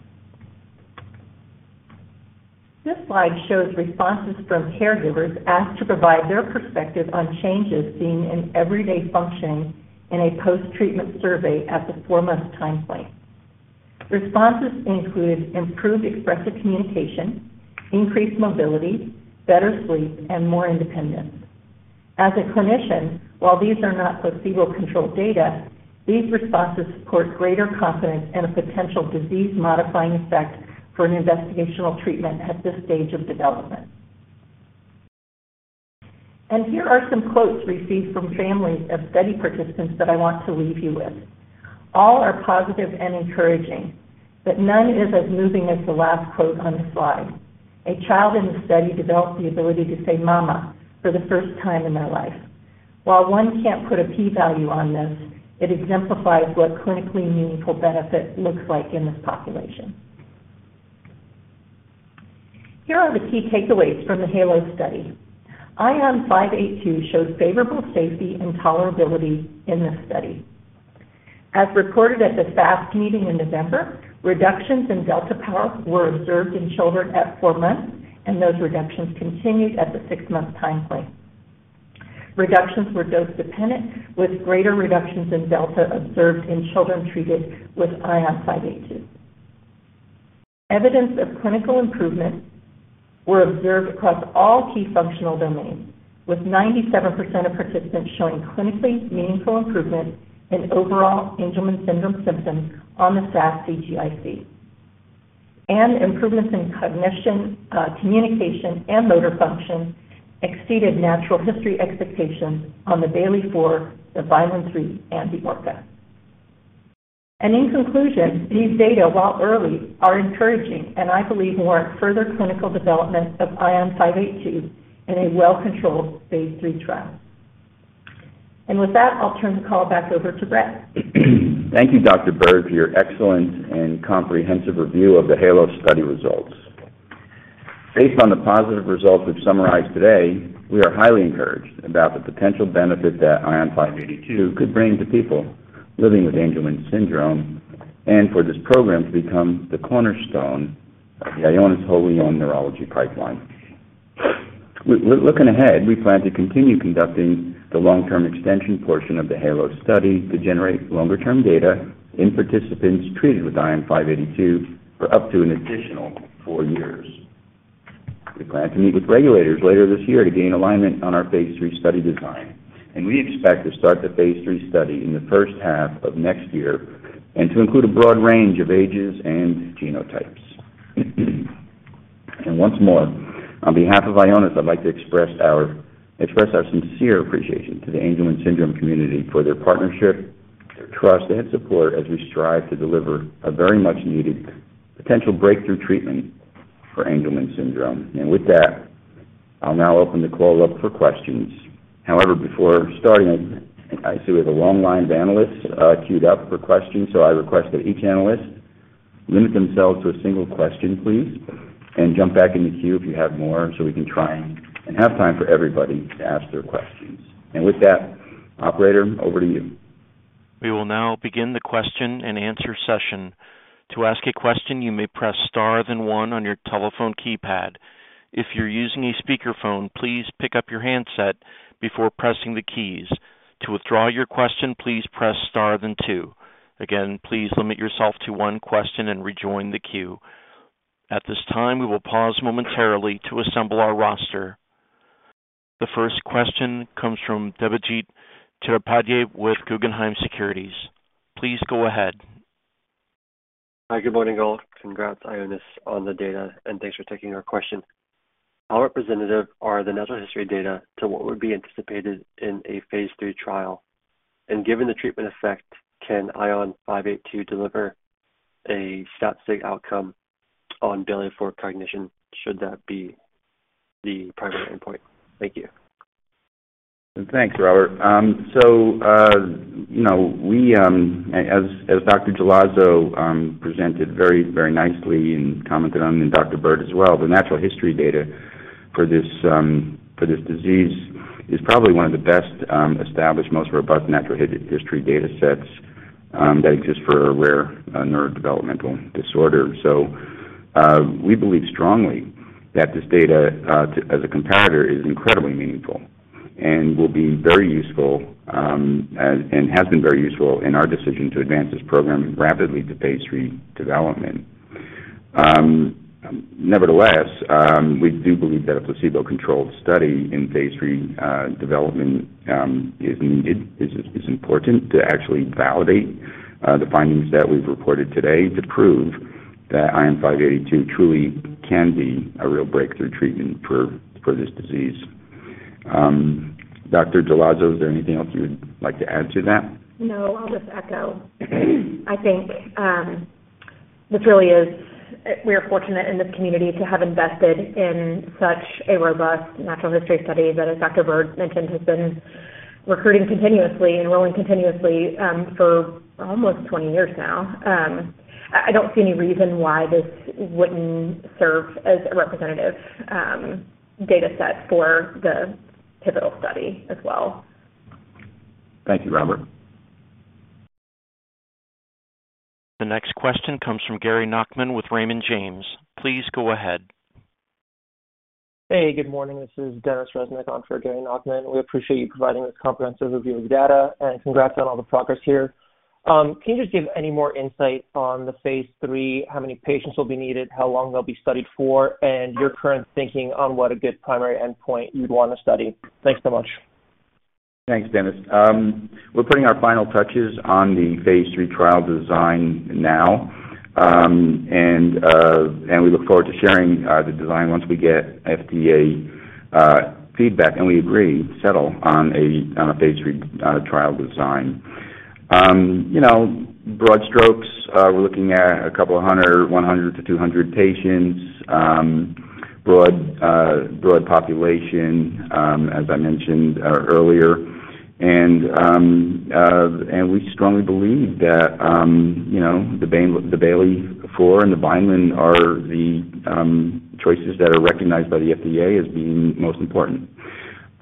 This slide shows responses from caregivers asked to provide their perspective on changes seen in everyday functioning in a post-treatment survey at the 4-month timeframe. Responses included improved expressive communication, increased mobility, better sleep, and more independence. As a clinician, while these are not placebo-controlled data, these responses support greater confidence in a potential disease-modifying effect for an investigational treatment at this stage of development. Here are some quotes received from families of study participants that I want to leave you with. All are positive and encouraging, but none is as moving as the last quote on the slide. A child in the study developed the ability to say, "Mama," for the first time in their life. While one can't put a p-value on this, it exemplifies what clinically meaningful benefit looks like in this population. Here are the key takeaways from the HALOS study. ION582 showed favorable safety and tolerability in this study. As reported at the ASF meeting in November, reductions in delta power were observed in children at 4 months, and those reductions continued at the 6-month timeframe. Reductions were dose-dependent, with greater reductions in delta observed in children treated with ION582. Evidence of clinical improvement was observed across all key functional domains, with 97% of participants showing clinically meaningful improvement in overall Angelman syndrome symptoms on the SAS-CGI-C. Improvements in cognition, communication, and motor function exceeded natural history expectations on the Bayley-4, the Vineland-3, and the ORCA. In conclusion, these data, while early, are encouraging, and I believe warrant further clinical development of ION582 in a well-controlled phase III trial. With that, I'll turn the call back over to Brett. Thank you, Dr. Bird, for your excellent and comprehensive review of the HALOS study results. Based on the positive results we've summarized today, we are highly encouraged about the potential benefit that ION582 could bring to people living with Angelman syndrome and for this program to become the cornerstone of the Ionis' wholly owned neurology pipeline. Looking ahead, we plan to continue conducting the long-term extension portion of the HALOS study to generate longer-term data in participants treated with ION582 for up to an additional four years. We plan to meet with regulators later this year to gain alignment on our phase III study design, and we expect to start the phase III study in the first half of next year and to include a broad range of ages and genotypes. Once more, on behalf of Ionis, I'd like to express our sincere appreciation to the Angelman syndrome community for their partnership, their trust, and support as we strive to deliver a very much needed potential breakthrough treatment for Angelman syndrome. With that, I'll now open the call up for questions. However, before starting, I see we have a long line of analysts queued up for questions, so I request that each analyst limit themselves to a single question, please, and jump back in the queue if you have more so we can try and have time for everybody to ask their questions. With that, Operator, over to you. We will now begin the question and answer session. To ask a question, you may press star then one on your telephone keypad. If you're using a speakerphone, please pick up your handset before pressing the keys. To withdraw your question, please press star then two. Again, please limit yourself to one question and rejoin the queue. At this time, we will pause momentarily to assemble our roster. The first question comes from Debjit Chattopadhyay with Guggenheim Securities. Please go ahead. Hi, good morning all. Congrats, Ionis, on the data, and thanks for taking our question. How representative are the natural history data to what would be anticipated in a phase III trial? And given the treatment effect, can ION582 deliver a statistically significant outcome on Bayley-4 cognition should that be the primary endpoint? Thank you. Thanks, Robert. So as Dr. Jalazo presented very, very nicely and commented on, and Dr. Bird as well, the natural history data for this disease is probably one of the best established, most robust natural history data sets that exist for a rare neurodevelopmental disorder. So we believe strongly that this data as a comparator is incredibly meaningful and will be very useful and has been very useful in our decision to advance this program rapidly to phase III development. Nevertheless, we do believe that a placebo-controlled study in phase III development is needed, is important to actually validate the findings that we've reported today to prove that ION582 truly can be a real breakthrough treatment for this disease. Dr. Jalazo, is there anything else you would like to add to that? No, I'll just echo. I think this really is—we are fortunate in this community to have invested in such a robust natural history study that, as Dr. Bird mentioned, has been recruiting continuously and enrolling continuously for almost 20 years now. I don't see any reason why this wouldn't serve as a representative data set for the pivotal study as well. Thank you, Robert. The next question comes from Gary Nachman with Raymond James. Please go ahead. Hey, good morning. This is Denis Reznik on for Gary Nachman. We appreciate you providing this comprehensive review of the data, and congrats on all the progress here. Can you just give any more insight on the phase III, how many patients will be needed, how long they'll be studied for, and your current thinking on what a good primary endpoint you'd want to study? Thanks so much. Thanks, Denis. We're putting our final touches on the phase III trial design now, and we look forward to sharing the design once we get FDA feedback, and we agree to settle on a phase III trial design. Broad strokes, we're looking at a couple of 100, 100-200 patients, broad population, as I mentioned earlier. We strongly believe that the Bayley-4 and the Vineland are the choices that are recognized by the FDA as being most important.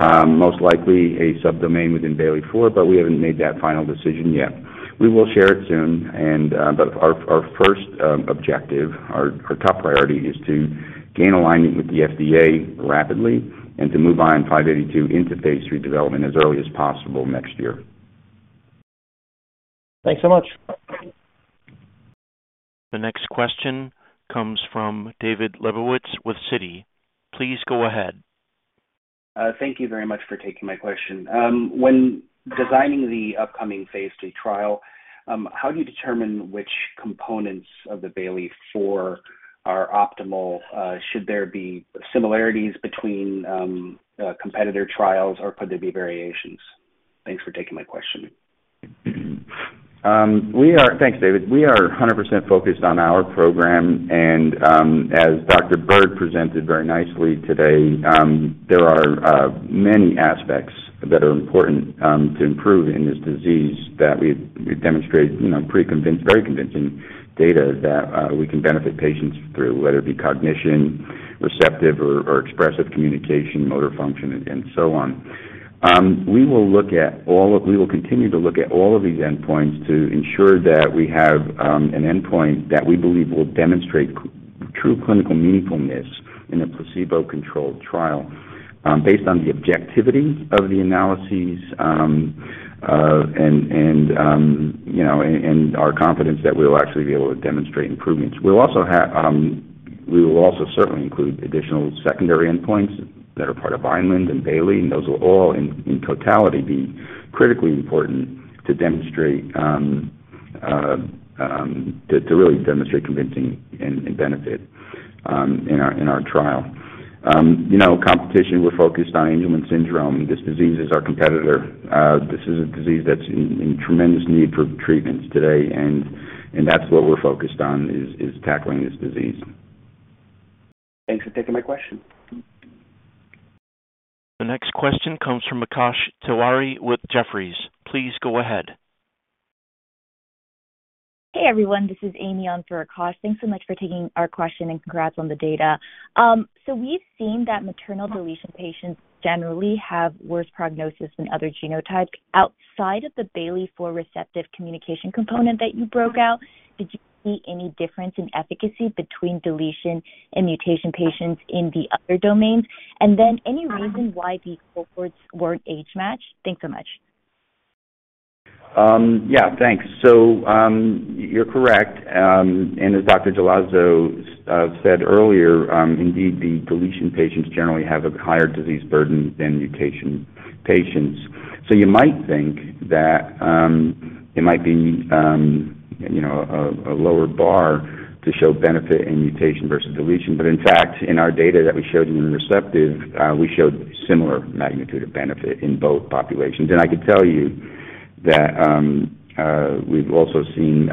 Most likely a subdomain within Bayley-4, but we haven't made that final decision yet. We will share it soon, but our first objective, our top priority, is to gain alignment with the FDA rapidly and to move ION582 into phase III development as early as possible next year. Thanks so much. The next question comes from David Lebowitz with Citi. Please go ahead. Thank you very much for taking my question. When designing the upcoming phase III trial, how do you determine which components of the Bayley-4 are optimal? Should there be similarities between competitor trials, or could there be variations? Thanks for taking my question. Thanks, David. We are 100% focused on our program, and as Dr. Bird presented very nicely today. There are many aspects that are important to improve in this disease that we've demonstrated very convincing data that we can benefit patients through, whether it be cognition, receptive, or expressive communication, motor function, and so on. We will continue to look at all of these endpoints to ensure that we have an endpoint that we believe will demonstrate true clinical meaningfulness in a placebo-controlled trial based on the objectivity of the analyses and our confidence that we will actually be able to demonstrate improvements. We will also certainly include additional secondary endpoints that are part of Vineland and Bayley, and those will all in totality be critically important to really demonstrate convincing benefit in our trial. Competition, we're focused on Angelman syndrome. This disease is our competitor. This is a disease that's in tremendous need for treatments today, and that's what we're focused on, is tackling this disease. Thanks for taking my question. The next question comes from Akash Tewari with Jefferies. Please go ahead. Hey, everyone. This is Amy on for Akash. Thanks so much for taking our question and congrats on the data. So we've seen that maternal deletion patients generally have worse prognosis than other genotypes. Outside of the Bayley-4 receptive communication component that you broke out, did you see any difference in efficacy between deletion and mutation patients in the other domains? And then any reason why the cohorts weren't age-matched? Thanks so much. Yeah, thanks. So you're correct. And as Dr. Jalazo said earlier, indeed, the deletion patients generally have a higher disease burden than mutation patients. So you might think that it might be a lower bar to show benefit in mutation versus deletion. But in fact, in our data that we showed in receptive, we showed similar magnitude of benefit in both populations. I can tell you that we've also seen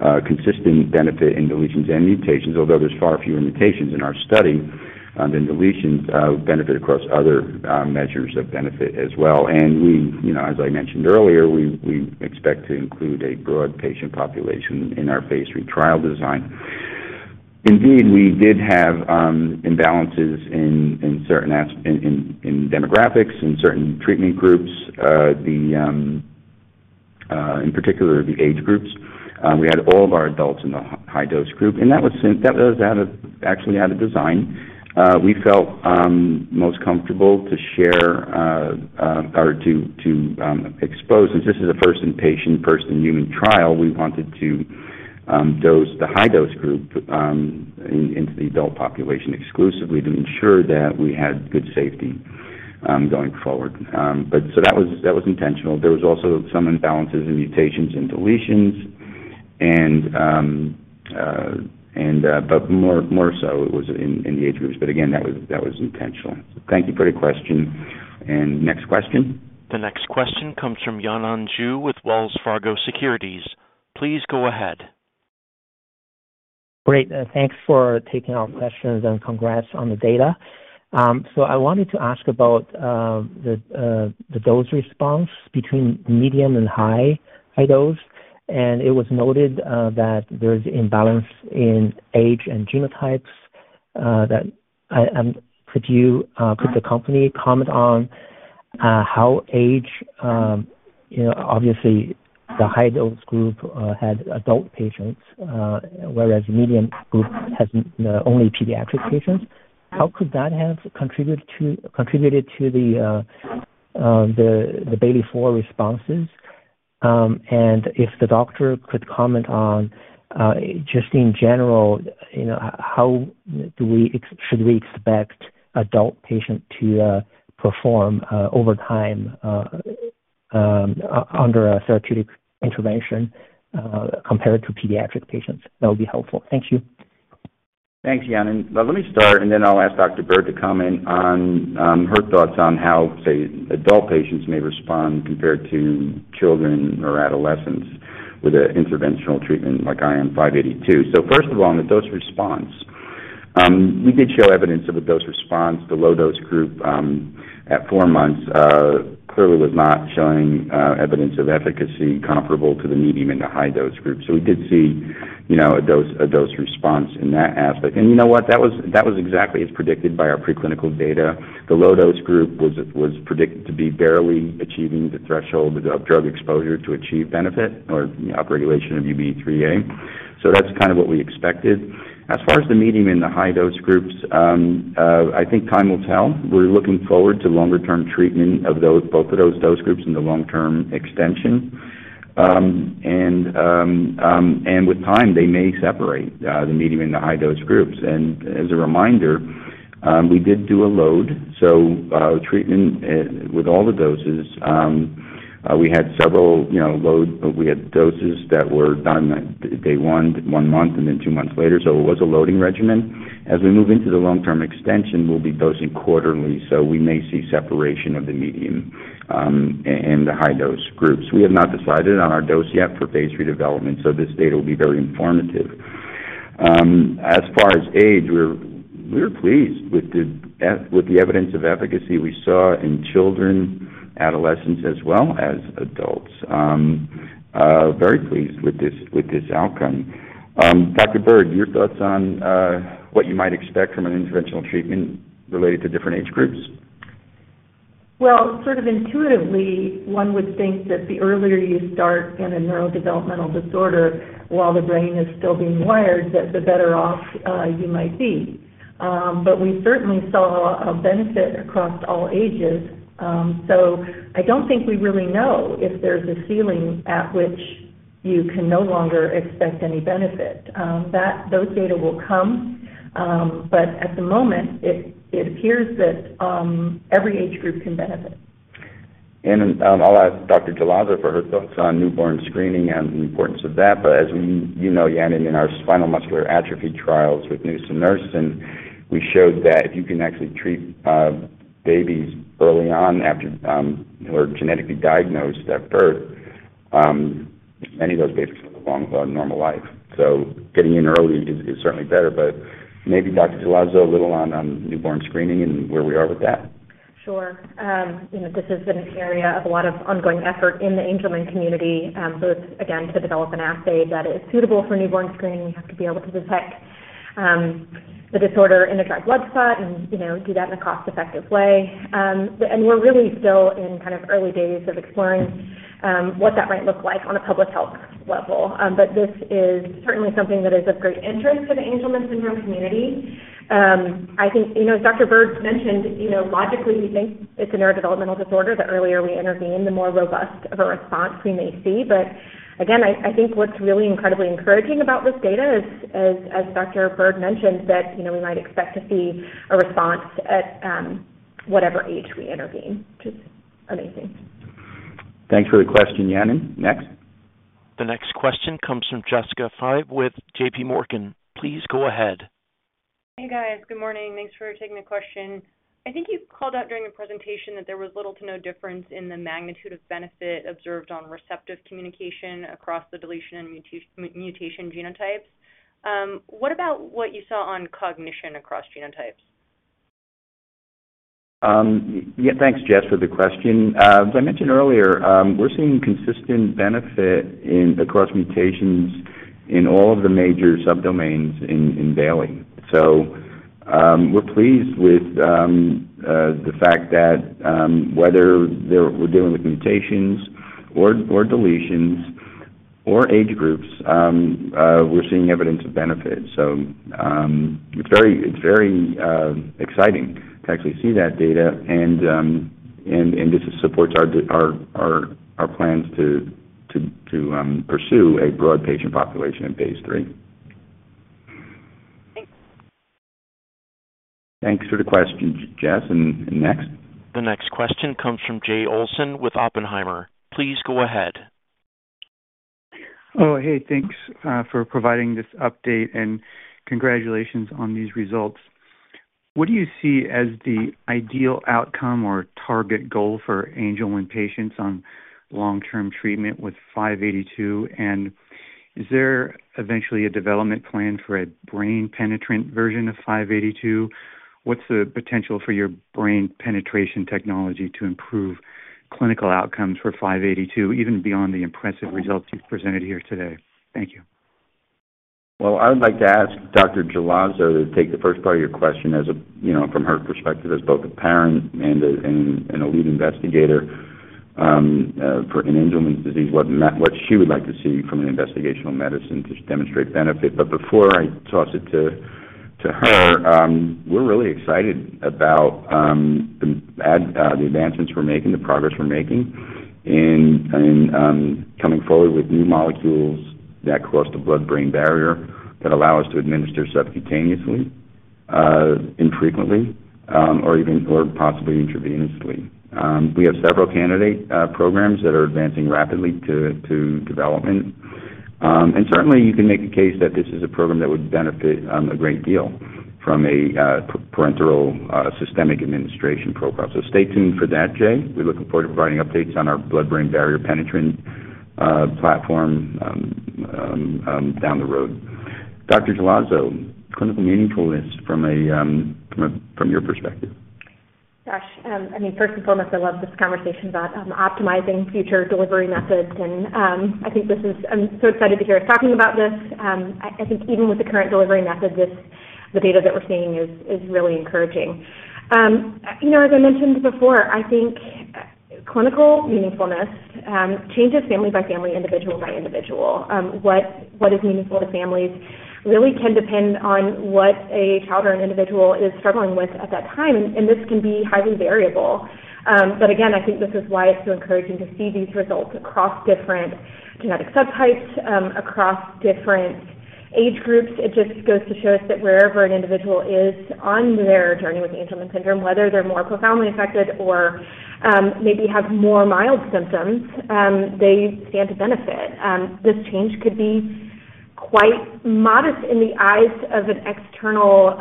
consistent benefit in deletions and mutations, although there's far fewer mutations in our study than deletions benefit across other measures of benefit as well. As I mentioned earlier, we expect to include a broad patient population in our phase III trial design. Indeed, we did have imbalances in demographics, in certain treatment groups, in particular the age groups. We had all of our adults in the high-dose group, and that was actually out of design. We felt most comfortable to share or to expose since this is a first-in-patient, first-in-human trial. We wanted to dose the high-dose group into the adult population exclusively to ensure that we had good safety going forward. But so that was intentional. There was also some imbalances in mutations and deletions, but more so it was in the age groups. But again, that was intentional. So thank you for the question. And next question? The next question comes from Yanan Zhu with Wells Fargo Securities. Please go ahead. Great. Thanks for taking our questions and congrats on the data. So I wanted to ask about the dose response between medium and high dose. And it was noted that there's imbalance in age and genotypes. Could you, as a company, comment on how age, obviously, the high-dose group had adult patients, whereas the medium group has only pediatric patients, how could that have contributed to the Bayley-4 responses? And if the doctor could comment on, just in general, how should we expect adult patients to perform over time under a therapeutic intervention compared to pediatric patients? That would be helpful. Thank you. Thanks, Yanan. And let me start, and then I'll ask Dr. Bird to comment on her thoughts on how, say, adult patients may respond compared to children or adolescents with an interventional treatment like ION582. So first of all, on the dose response, we did show evidence of a dose response. The low-dose group at 4 months clearly was not showing evidence of efficacy comparable to the medium and the high-dose group. So we did see a dose response in that aspect. And you know what? That was exactly as predicted by our preclinical data. The low-dose group was predicted to be barely achieving the threshold of drug exposure to achieve benefit or upregulation of UBE3A. So that's kind of what we expected. As far as the medium and the high-dose groups, I think time will tell. We're looking forward to longer-term treatment of both of those dose groups in the long-term extension. And with time, they may separate, the medium and the high-dose groups. And as a reminder, we did do a load. So treatment with all the doses, we had several loads. We had doses that were done day 1, one month, and then two months later. So it was a loading regimen. As we move into the long-term extension, we'll be dosing quarterly. So we may see separation of the medium and the high-dose groups. We have not decided on our dose yet for phase III development, so this data will be very informative. As far as age, we're pleased with the evidence of efficacy we saw in children, adolescents, as well as adults. Very pleased with this outcome. Dr. Bird, your thoughts on what you might expect from an interventional treatment related to different age groups? Well, sort of intuitively, one would think that the earlier you start in a neurodevelopmental disorder while the brain is still being wired, the better off you might be. But we certainly saw a benefit across all ages. So I don't think we really know if there's a ceiling at which you can no longer expect any benefit. Those data will come, but at the moment, it appears that every age group can benefit. And I'll ask Dr. Jalazo for her thoughts on newborn screening and the importance of that. But as you know, Yon, in our spinal muscular atrophy trials with nusinersen, we showed that if you can actually treat babies early on who are genetically diagnosed at birth, many of those babies can go on to a normal life. So getting in early is certainly better, but maybe Dr. Jalazo a little on newborn screening and where we are with that. Sure. This has been an area of a lot of ongoing effort in the Angelman community, both, again, to develop an assay that is suitable for newborn screening. We have to be able to detect the disorder in a dry blood spot and do that in a cost-effective way. And we're really still in kind of early days of exploring what that might look like on a public health level. But this is certainly something that is of great interest to the Angelman syndrome community. I think, as Dr. Bird mentioned, logically, we think it's a neurodevelopmental disorder. The earlier we intervene, the more robust of a response we may see. But again, I think what's really incredibly encouraging about this data, as Dr. Bird mentioned, is that we might expect to see a response at whatever age we intervene, which is amazing. Thanks for the question, Yanan. Next. The next question comes from Jessica Fye with JPMorgan. Please go ahead. Hey, guys. Good morning. Thanks for taking the question. I think you called out during the presentation that there was little to no difference in the magnitude of benefit observed on receptive communication across the deletion and mutation genotypes. What about what you saw on cognition across genotypes? Thanks, Jess, for the question. As I mentioned earlier, we're seeing consistent benefit across mutations in all of the major subdomains in Bayley. So we're pleased with the fact that whether we're dealing with mutations or deletions or age groups, we're seeing evidence of benefit. So it's very exciting to actually see that data, and this supports our plans to pursue a broad patient population in phase III. Thanks for the question, Jess. And next? The next question comes from Jay Olson with Oppenheimer. Please go ahead. Oh, hey. Thanks for providing this update, and congratulations on these results. What do you see as the ideal outcome or target goal for Angelman patients on long-term treatment with 582? And is there eventually a development plan for a brain-penetrant version of 582? What's the potential for your brain-penetration technology to improve clinical outcomes for 582, even beyond the impressive results you've presented here today? Thank you. Well, I would like to ask Dr. Jalazo to take the first part of your question from her perspective as both a parent and a lead investigator in Angelman syndrome, what she would like to see from an investigational medicine to demonstrate benefit. But before I toss it to her, we're really excited about the advancements we're making, the progress we're making in coming forward with new molecules that cross the blood-brain barrier that allow us to administer subcutaneously, infrequently, or possibly intravenously. We have several candidate programs that are advancing rapidly to development. And certainly, you can make the case that this is a program that would benefit a great deal from a parenteral systemic administration profile. So stay tuned for that, Jay. We're looking forward to providing updates on our blood-brain barrier penetrant platform down the road. Dr. Jalazo, clinical meaningfulness from your perspective? Gosh. I mean, first and foremost, I love this conversation about optimizing future delivery methods. And I think this is, I'm so excited to hear us talking about this. I think even with the current delivery method, the data that we're seeing is really encouraging. As I mentioned before, I think clinical meaningfulness changes family by family, individual by individual. What is meaningful to families really can depend on what a child or an individual is struggling with at that time. And this can be highly variable. But again, I think this is why it's so encouraging to see these results across different genetic subtypes, across different age groups. It just goes to show us that wherever an individual is on their journey with Angelman syndrome, whether they're more profoundly affected or maybe have more mild symptoms, they stand to benefit. This change could be quite modest in the eyes of an external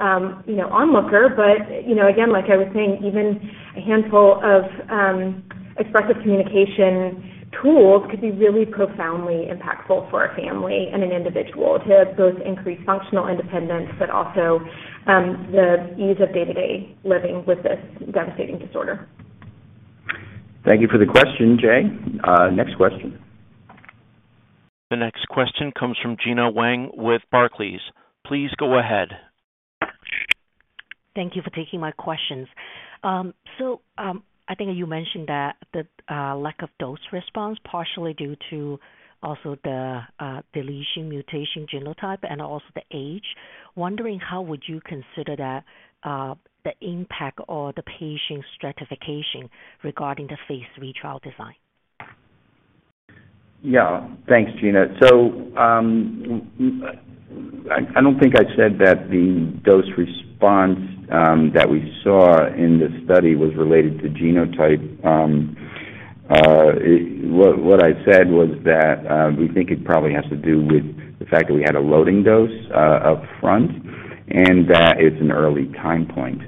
onlooker. But again, like I was saying, even a handful of expressive communication tools could be really profoundly impactful for a family and an individual to both increase functional independence but also the ease of day-to-day living with this devastating disorder. Thank you for the question, Jay. Next question. The next question comes from Gena Wang with Barclays. Please go ahead. Thank you for taking my questions. So I think you mentioned that the lack of dose response is partially due to also the deletion mutation genotype and also the age. Wondering how would you consider that the impact or the patient stratification regarding the phase III trial design? Yeah. Thanks, Gena. So I don't think I said that the dose response that we saw in this study was related to genotype. What I said was that we think it probably has to do with the fact that we had a loading dose upfront and that it's an early time point.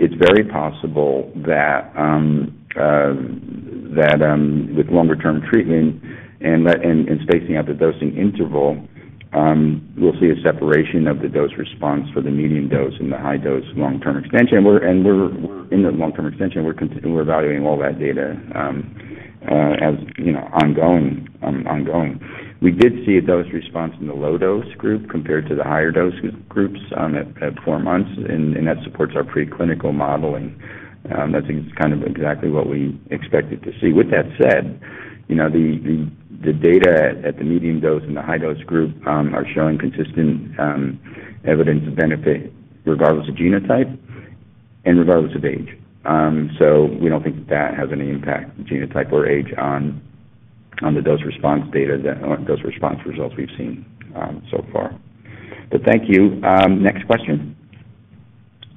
It's very possible that with longer-term treatment and spacing out the dosing interval, we'll see a separation of the dose response for the medium dose and the high-dose long-term extension. And we're in the long-term extension. We're evaluating all that data as ongoing. We did see a dose response in the low-dose group compared to the higher-dose groups at 4 months, and that supports our preclinical modeling. That's kind of exactly what we expected to see. With that said, the data at the medium dose and the high-dose group are showing consistent evidence of benefit regardless of genotype and regardless of age. So we don't think that has any impact, genotype or age, on the dose response data or dose response results we've seen so far. But thank you. Next question.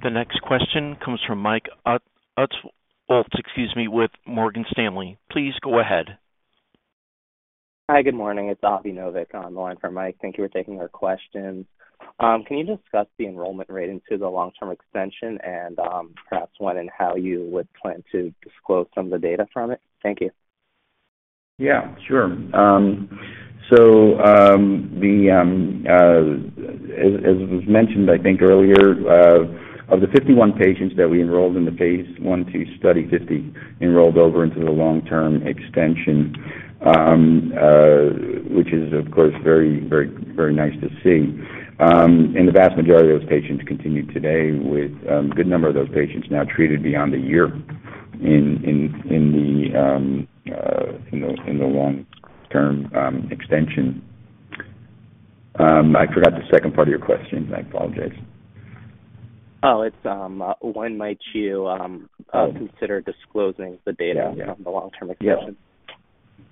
The next question comes from Mike Ulz, excuse me, with Morgan Stanley. Please go ahead. Hi. Good morning. It's Avi Novick on the line for Mike. Thank you for taking our questions. Can you discuss the enrollment rate into the long-term extension and perhaps when and how you would plan to disclose some of the data from it? Thank you. Yeah. Sure. So as was mentioned, I think earlier, of the 51 patients that we enrolled in the phase I/II study, 50 enrolled over into the long-term extension, which is, of course, very, very nice to see. The vast majority of those patients continue today, with a good number of those patients now treated beyond a year in the long-term extension. I forgot the second part of your question. I apologize. Oh, it's when might you consider disclosing the data from the long-term extension?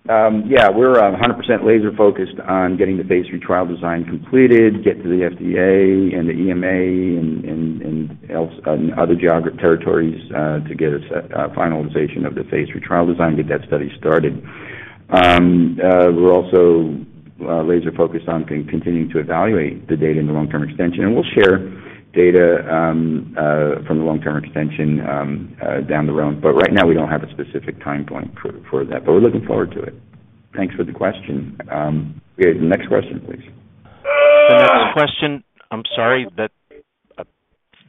Yeah. Yeah. We're 100% laser-focused on getting the phase III trial design completed, get to the FDA and the EMA and other territories to get a finalization of the phase III trial design, get that study started. We're also laser-focused on continuing to evaluate the data in the long-term extension. And we'll share data from the long-term extension down the road. But right now, we don't have a specific time point for that. But we're looking forward to it. Thanks for the question. Okay. Next question, please. The next question. I'm sorry.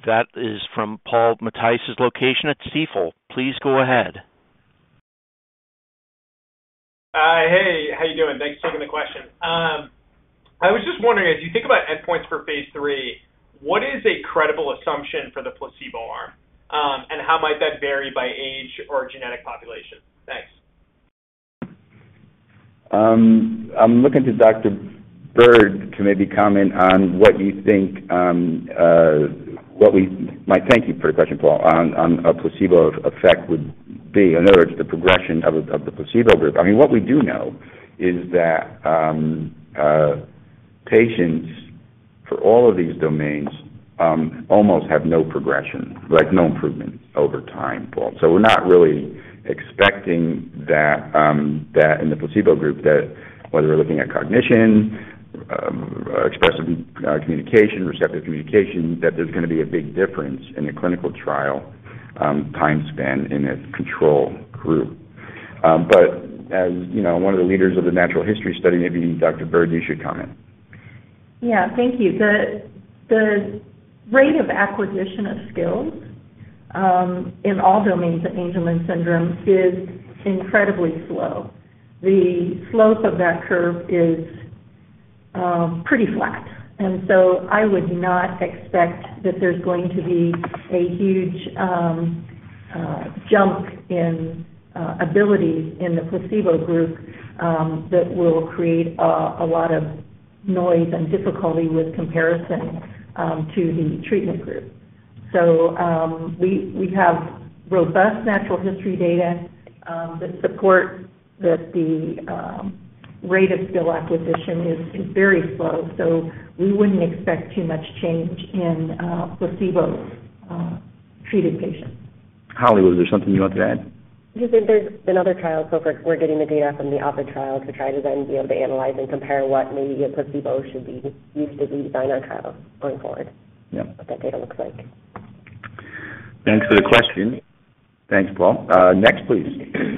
That is from Paul Matteis location at Stifel. Please go ahead. Hi. Hey. How you doing? Thanks for taking the question. I was just wondering, as you think about endpoints for phase III, what is a credible assumption for the placebo arm? And how might that vary by age or genetic population? Thanks. I'm looking to Dr. Bird to maybe comment on what you think—what we might—thank you for the question, Paul, on a placebo effect would be. In other words, the progression of the placebo group. I mean, what we do know is that patients for all of these domains almost have no progression, no improvement over time, Paul. So we're not really expecting that in the placebo group, that whether we're looking at cognition, expressive communication, receptive communication, that there's going to be a big difference in the clinical trial time span in a control group. But as one of the leaders of the natural history study, maybe Dr. Bird, you should comment. Yeah. Thank you. The rate of acquisition of skills in all domains of Angelman syndrome is incredibly slow. The slope of that curve is pretty flat. And so I would not expect that there's going to be a huge jump in ability in the placebo group that will create a lot of noise and difficulty with comparison to the treatment group. So we have robust natural history data that support that the rate of skill acquisition is very slow. So we wouldn't expect too much change in placebo-treated patients. Holly, was there something you wanted to add? Just that there's been other trials. So we're getting the data from the other trial to try to then be able to analyze and compare what maybe a placebo should be used to design our trial going forward, what that data looks like. Thanks for the question. Thanks, Paul. Next, please.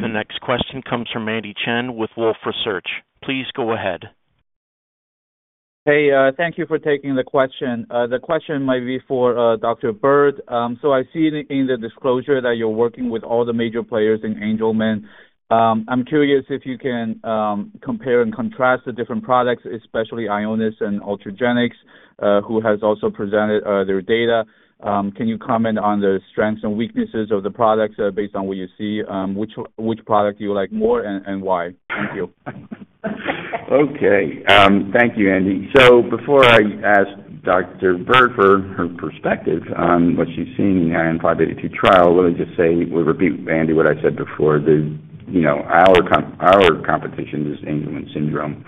The next question comes from Andy Chen with Wolfe Research. Please go ahead. Hey. Thank you for taking the question. The question might be for Dr. Bird. So I see in the disclosure that you're working with all the major players in Angelman. I'm curious if you can compare and contrast the different products, especially Ionis and Ultragenyx, who has also presented their data. Can you comment on the strengths and weaknesses of the products based on what you see? Which product do you like more and why? Thank you. Okay. Thank you, Andy. So before I ask Dr. Bird for her perspective on what she's seen in the ION582 trial, let me just say, we'll repeat, Andy, what I said before, our competition is Angelman syndrome.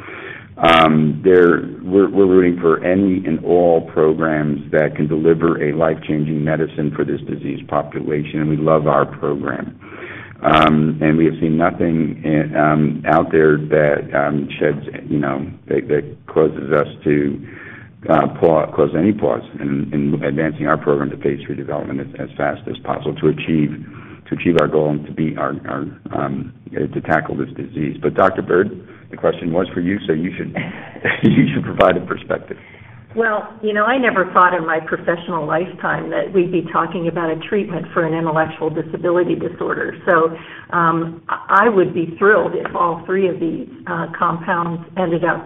We're rooting for any and all programs that can deliver a life-changing medicine for this disease population. And we love our program. We have seen nothing out there that closes us to any pause in advancing our program to phase III development as fast as possible to achieve our goal and to tackle this disease. But Dr. Bird, the question was for you, so you should provide a perspective. Well, I never thought in my professional lifetime that we'd be talking about a treatment for an intellectual disability disorder. So I would be thrilled if all three of these compounds ended up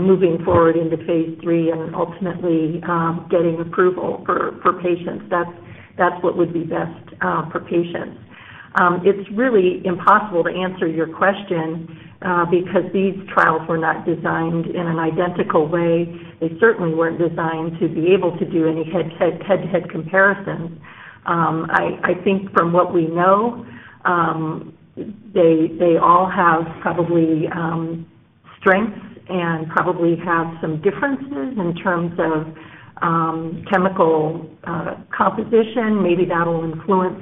moving forward into phase III and ultimately getting approval for patients. That's what would be best for patients. It's really impossible to answer your question because these trials were not designed in an identical way. They certainly weren't designed to be able to do any head-to-head comparisons. I think from what we know, they all have probably strengths and probably have some differences in terms of chemical composition. Maybe that'll influence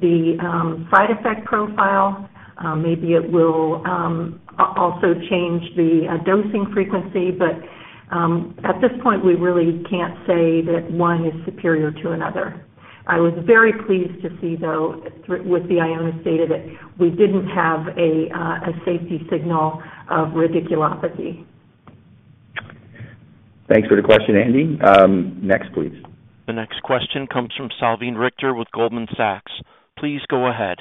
the side effect profile. Maybe it will also change the dosing frequency. But at this point, we really can't say that one is superior to another. I was very pleased to see, though, with the Ionis data that we didn't have a safety signal of radiculopathy. Thanks for the question, Andy. Next, please. The next question comes from Salveen Richter with Goldman Sachs. Please go ahead.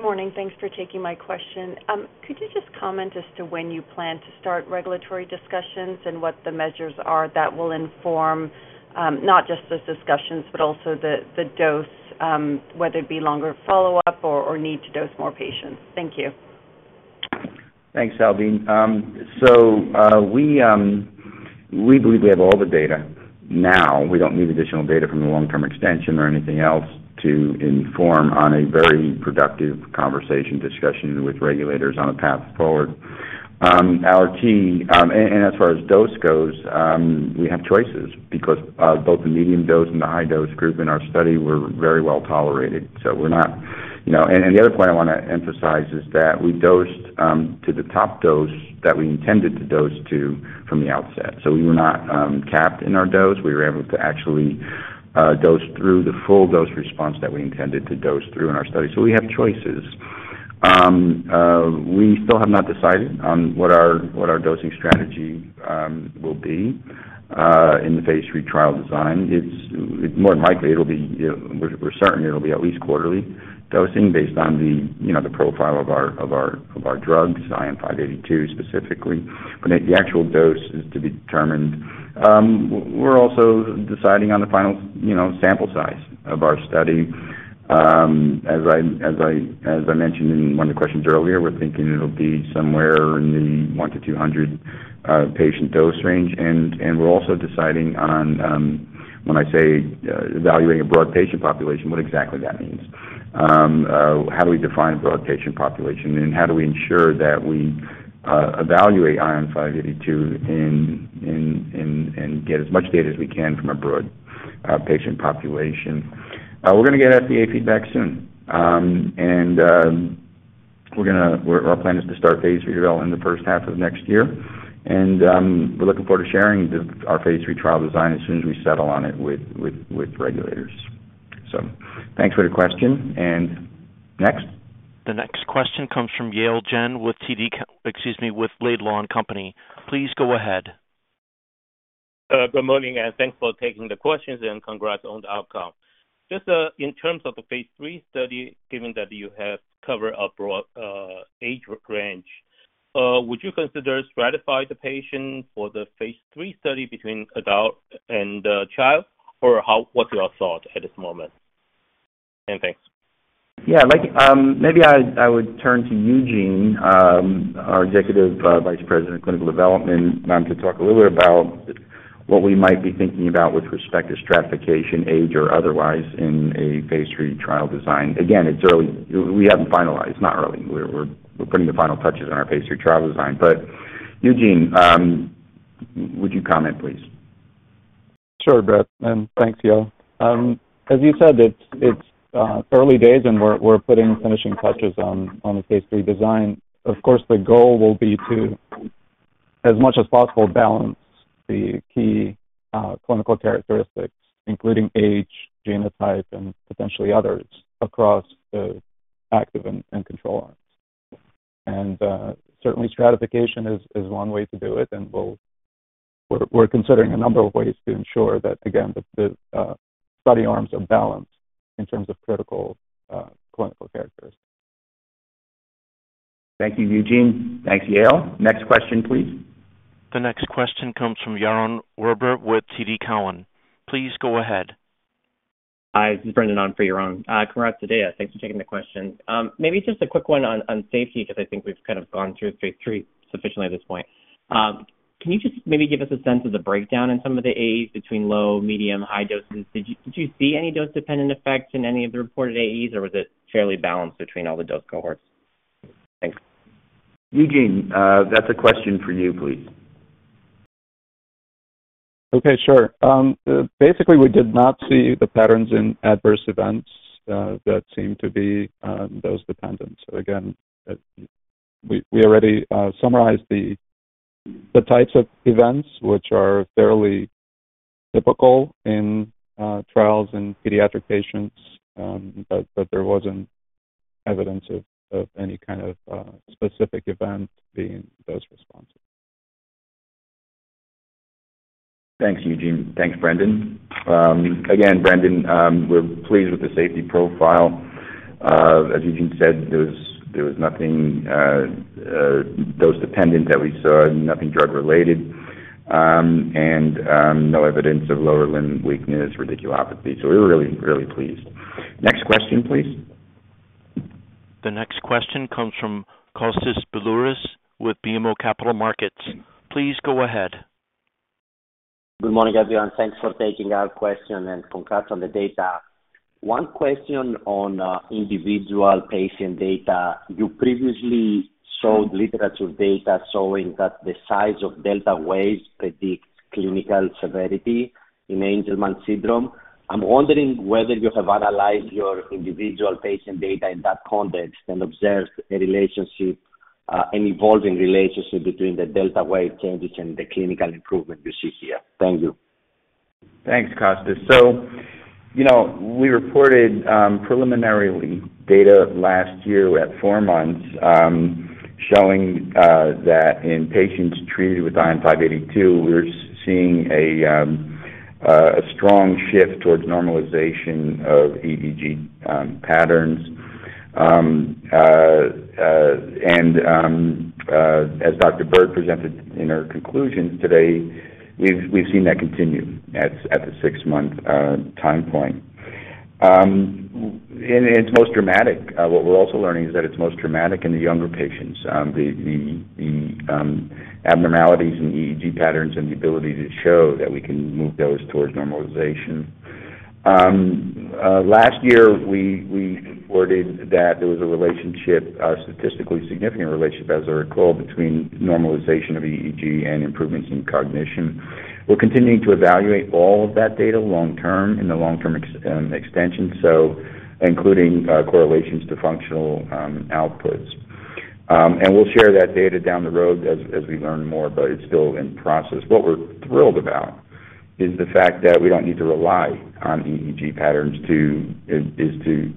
Good morning. Thanks for taking my question. Could you just comment as to when you plan to start regulatory discussions and what the measures are that will inform not just those discussions but also the dose, whether it be longer follow-up or need to dose more patients? Thank you. Thanks, Salveen. So we believe we have all the data now. We don't need additional data from the long-term extension or anything else to inform on a very productive conversation discussion with regulators on a path forward. As far as dose goes, we have choices because both the medium dose and the high-dose group in our study were very well tolerated. So we're not, and the other point I want to emphasize is that we dosed to the top dose that we intended to dose to from the outset. So we were not capped in our dose. We were able to actually dose through the full dose response that we intended to dose through in our study. So we have choices. We still have not decided on what our dosing strategy will be in the phase III trial design. It's more than likely it'll be, we're certain it'll be at least quarterly dosing based on the profile of our drugs, ION582 specifically. The actual dose is to be determined. We're also deciding on the final sample size of our study. As I mentioned in one of the questions earlier, we're thinking it'll be somewhere in the 100 to 200 patient dose range. We're also deciding on, when I say evaluating a broad patient population, what exactly that means. How do we define a broad patient population? How do we ensure that we evaluate ION582 and get as much data as we can from a broad patient population? We're going to get FDA feedback soon. Our plan is to start phase III development in the first half of next year. We're looking forward to sharing our phase III trial design as soon as we settle on it with regulators. Thanks for the question. Next? The next question comes from Yale Jen with Laidlaw & Company. Please go ahead. Good morning, and thanks for taking the questions and congrats on the outcome. Just in terms of the phase III study, given that you have covered a broad age range, would you consider stratifying the patient for the phase III study between adult and child? Or what's your thought at this moment? And thanks. Yeah. Maybe I would turn to Eugene, our Executive Vice President of Clinical Development, to talk a little bit about what we might be thinking about with respect to stratification, age, or otherwise in a phase III trial design. Again, we haven't finalized. Not early. We're putting the final touches on our phase III trial design. But Eugene, would you comment, please? Sure, Brett. And thanks, Yale. As you said, it's early days, and we're putting finishing touches on the phase III design. Of course, the goal will be to, as much as possible, balance the key clinical characteristics, including age, genotype, and potentially others across the active and control arms. And certainly, stratification is one way to do it. And we're considering a number of ways to ensure that, again, the study arms are balanced in terms of critical clinical characteristics. Thank you, Eugene. Thanks, Yale. Next question, please. The next question comes from Yaron Werber with TD Cowen. Please go ahead. Hi. This is Brendan on for Yaron. Congrats to data. Thanks for taking the question. Maybe just a quick one on safety because I think we've kind of gone through phase III sufficiently at this point. Can you just maybe give us a sense of the breakdown in some of the AEs between low, medium, high doses? Did you see any dose-dependent effects in any of the reported AEs, or was it fairly balanced between all the dose cohorts? Thanks. Eugene, that's a question for you, please. Okay. Sure. Basically, we did not see the patterns in adverse events that seem to be dose-dependent. So again, we already summarized the types of events, which are fairly typical in trials in pediatric patients, but there wasn't evidence of any kind of specific event being dose-responsive. Thanks, Eugene. Thanks, Brendan. Again, Brendan, we're pleased with the safety profile. As Eugene said, there was nothing dose-dependent that we saw, nothing drug-related, and no evidence of lower limb weakness, radiculopathy. So we were really, really pleased. Next question, please. The next question comes from Kostas Biliouris with BMO Capital Markets. Please go ahead. Good morning, everyone. Thanks for taking our question and congrats on the data. One question on individual patient data. You previously showed literature data showing that the size of delta waves predicts clinical severity in Angelman syndrome. I'm wondering whether you have analyzed your individual patient data in that context and observed a relationship, an evolving relationship between the delta wave changes and the clinical improvement you see here. Thank you. Thanks, Kostas. So we reported preliminary data last year at four months showing that in patients treated with ION582, we're seeing a strong shift towards normalization of EEG patterns. And as Dr. Bird presented in her conclusions today, we've seen that continue at the 6-month time point. And it's most dramatic. What we're also learning is that it's most dramatic in the younger patients, the abnormalities in EEG patterns and the ability to show that we can move those towards normalization. Last year, we reported that there was a relationship, a statistically significant relationship, as I recall, between normalization of EEG and improvements in cognition. We're continuing to evaluate all of that data long-term in the long-term extension, including correlations to functional outputs. We'll share that data down the road as we learn more, but it's still in process. What we're thrilled about is the fact that we don't need to rely on EEG patterns to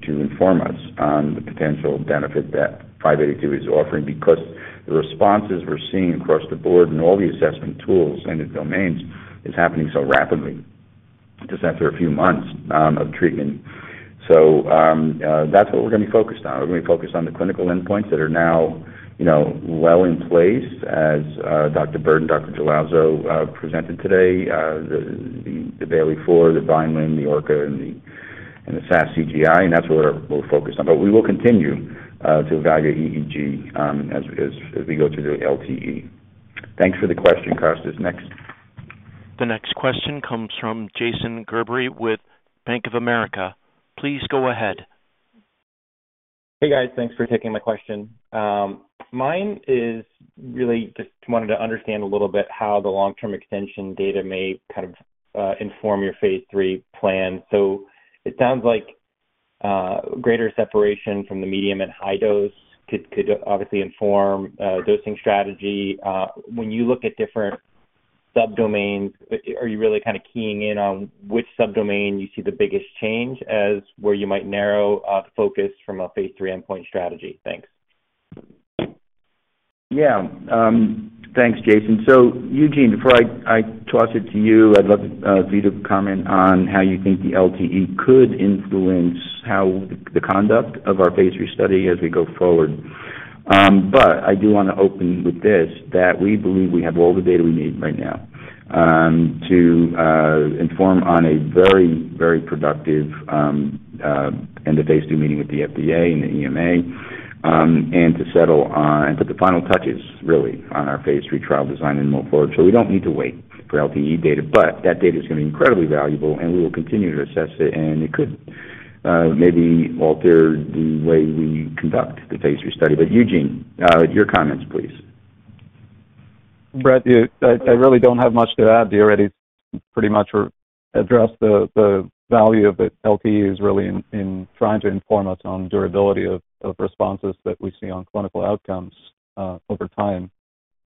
inform us on the potential benefit that 582 is offering because the responses we're seeing across the board in all the assessment tools and the domains is happening so rapidly just after a few months of treatment. That's what we're going to be focused on. We're going to be focused on the clinical endpoints that are now well in place as Dr. Bird and Dr. Jalazo presented today, the Bayley-4, the Vineland, the ORCA, and the SAS-CGI-C. That's what we're focused on. We will continue to evaluate EEG as we go through the LTE. Thanks for the question, Kostas. Next. The next question comes from Jason Gerberry with Bank of America. Please go ahead. Hey, guys. Thanks for taking my question. Mine is really just wanted to understand a little bit how the long-term extension data may kind of inform your phase III plan. So it sounds like greater separation from the medium and high dose could obviously inform dosing strategy. When you look at different subdomains, are you really kind of keying in on which subdomain you see the biggest change as where you might narrow the focus from a phase III endpoint strategy? Thanks. Yeah. Thanks, Jason. So Eugene, before I toss it to you, I'd love for you to comment on how you think the LTE could influence the conduct of our phase III study as we go forward. But I do want to open with this: we believe we have all the data we need right now to inform on a very, very productive end-of-phase III meeting with the FDA and the EMA and to settle on and put the final touches, really, on our phase III trial design and move forward. So we don't need to wait for LTE data. But that data is going to be incredibly valuable, and we will continue to assess it. And it could maybe alter the way we conduct the phase III study. But Eugene, your comments, please. Brett, I really don't have much to add. You already pretty much addressed the value of the LTEs really in trying to inform us on durability of responses that we see on clinical outcomes over time.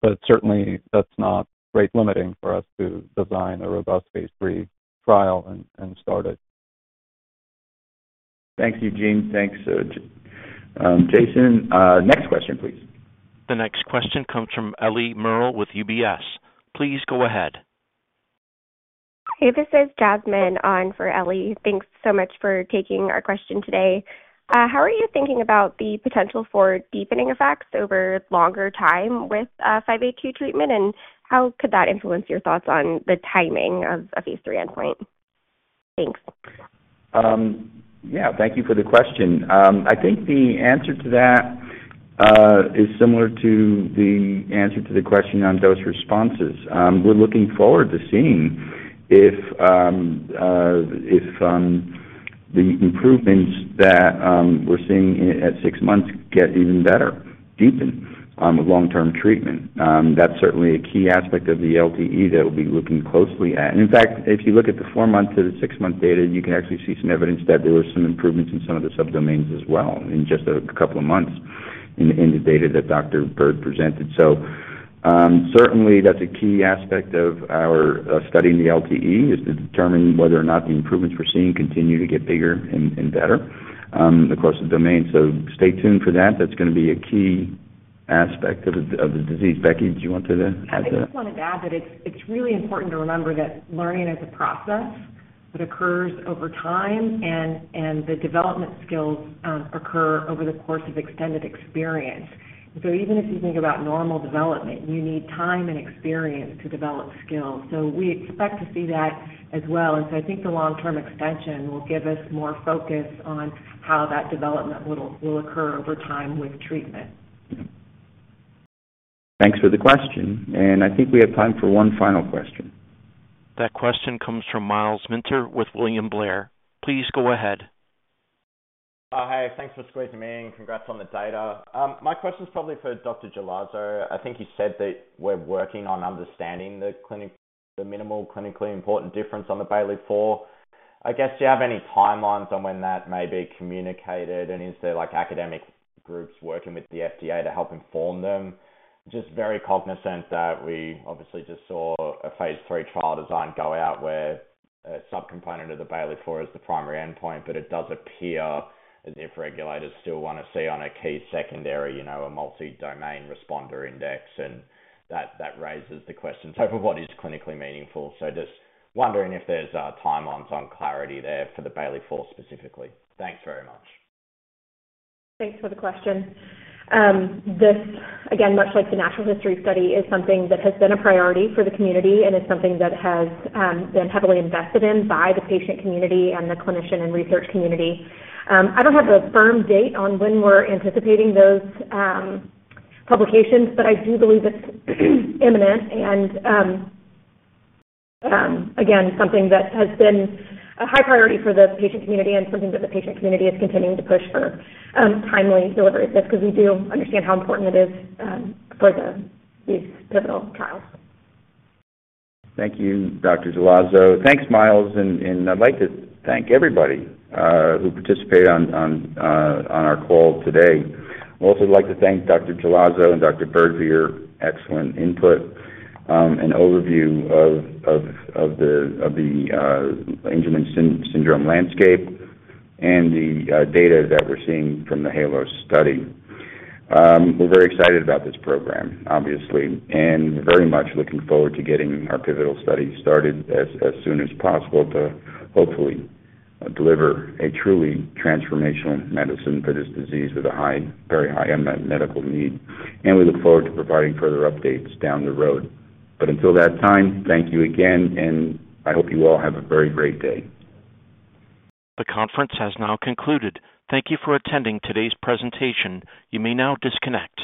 But certainly, that's not rate-limiting for us to design a robust phase III trial and start it. Thanks, Eugene. Thanks, Jason. Next question, please. The next question comes from Ellie Merle with UBS. Please go ahead. Hey, this is Jasmine, on for Ellie. Thanks so much for taking our question today. How are you thinking about the potential for deepening effects over longer time with 582 treatment, and how could that influence your thoughts on the timing of a phase III endpoint? Thanks. Yeah. Thank you for the question. I think the answer to that is similar to the answer to the question on dose responses. We're looking forward to seeing if the improvements that we're seeing at 6 months get even better, deepen with long-term treatment. That's certainly a key aspect of the LTE that we'll be looking closely at. And in fact, if you look at the four-month to the six-month data, you can actually see some evidence that there were some improvements in some of the subdomains as well in just a couple of months in the data that Dr. Bird presented. So certainly, that's a key aspect of our studying the LTE is to determine whether or not the improvements we're seeing continue to get bigger and better across the domain. So stay tuned for that. That's going to be a key aspect of the disease. Becky, do you want to add to that? I just want to add that it's really important to remember that learning is a process that occurs over time, and the development skills occur over the course of extended experience. So even if you think about normal development, you need time and experience to develop skills. So we expect to see that as well. And so I think the long-term extension will give us more focus on how that development will occur over time with treatment. Thanks for the question. And I think we have time for one final question. That question comes from Myles Minter with William Blair. Please go ahead. Hi. Thanks for squeezing me in. Congrats on the data. My question's probably for Dr. Jalazo. I think he said that we're working on understanding the minimal clinically important difference on the Bayley-4. I guess, do you have any timelines on when that may be communicated, and is there academic groups working with the FDA to help inform them? Just very cognizant that we obviously just saw a phase III trial design go out where a subcomponent of the Bayley-4 is the primary endpoint, but it does appear as if regulators still want to see on a key secondary a multi-domain responder index. And that raises the question over what is clinically meaningful. So just wondering if there's timelines on clarity there for the Bayley-4 specifically. Thanks very much. Thanks for the question. Again, much like the natural history study, it is something that has been a priority for the community and is something that has been heavily invested in by the patient community and the clinician and research community. I don't have a firm date on when we're anticipating those publications, but I do believe it's imminent and, again, something that has been a high priority for the patient community and something that the patient community is continuing to push for timely delivery of this because we do understand how important it is for these pivotal trials. Thank you, Dr. Jalazo. Thanks, Myles. I'd like to thank everybody who participated on our call today. I'd also like to thank Dr. Jalazo and Dr. Bird for your excellent input and overview of the Angelman syndrome landscape and the data that we're seeing from the HALOS study. We're very excited about this program, obviously, and very much looking forward to getting our pivotal study started as soon as possible to hopefully deliver a truly transformational medicine for this disease with a very high medical need. We look forward to providing further updates down the road. But until that time, thank you again, and I hope you all have a very great day. The conference has now concluded. Thank you for attending today's presentation. You may now disconnect.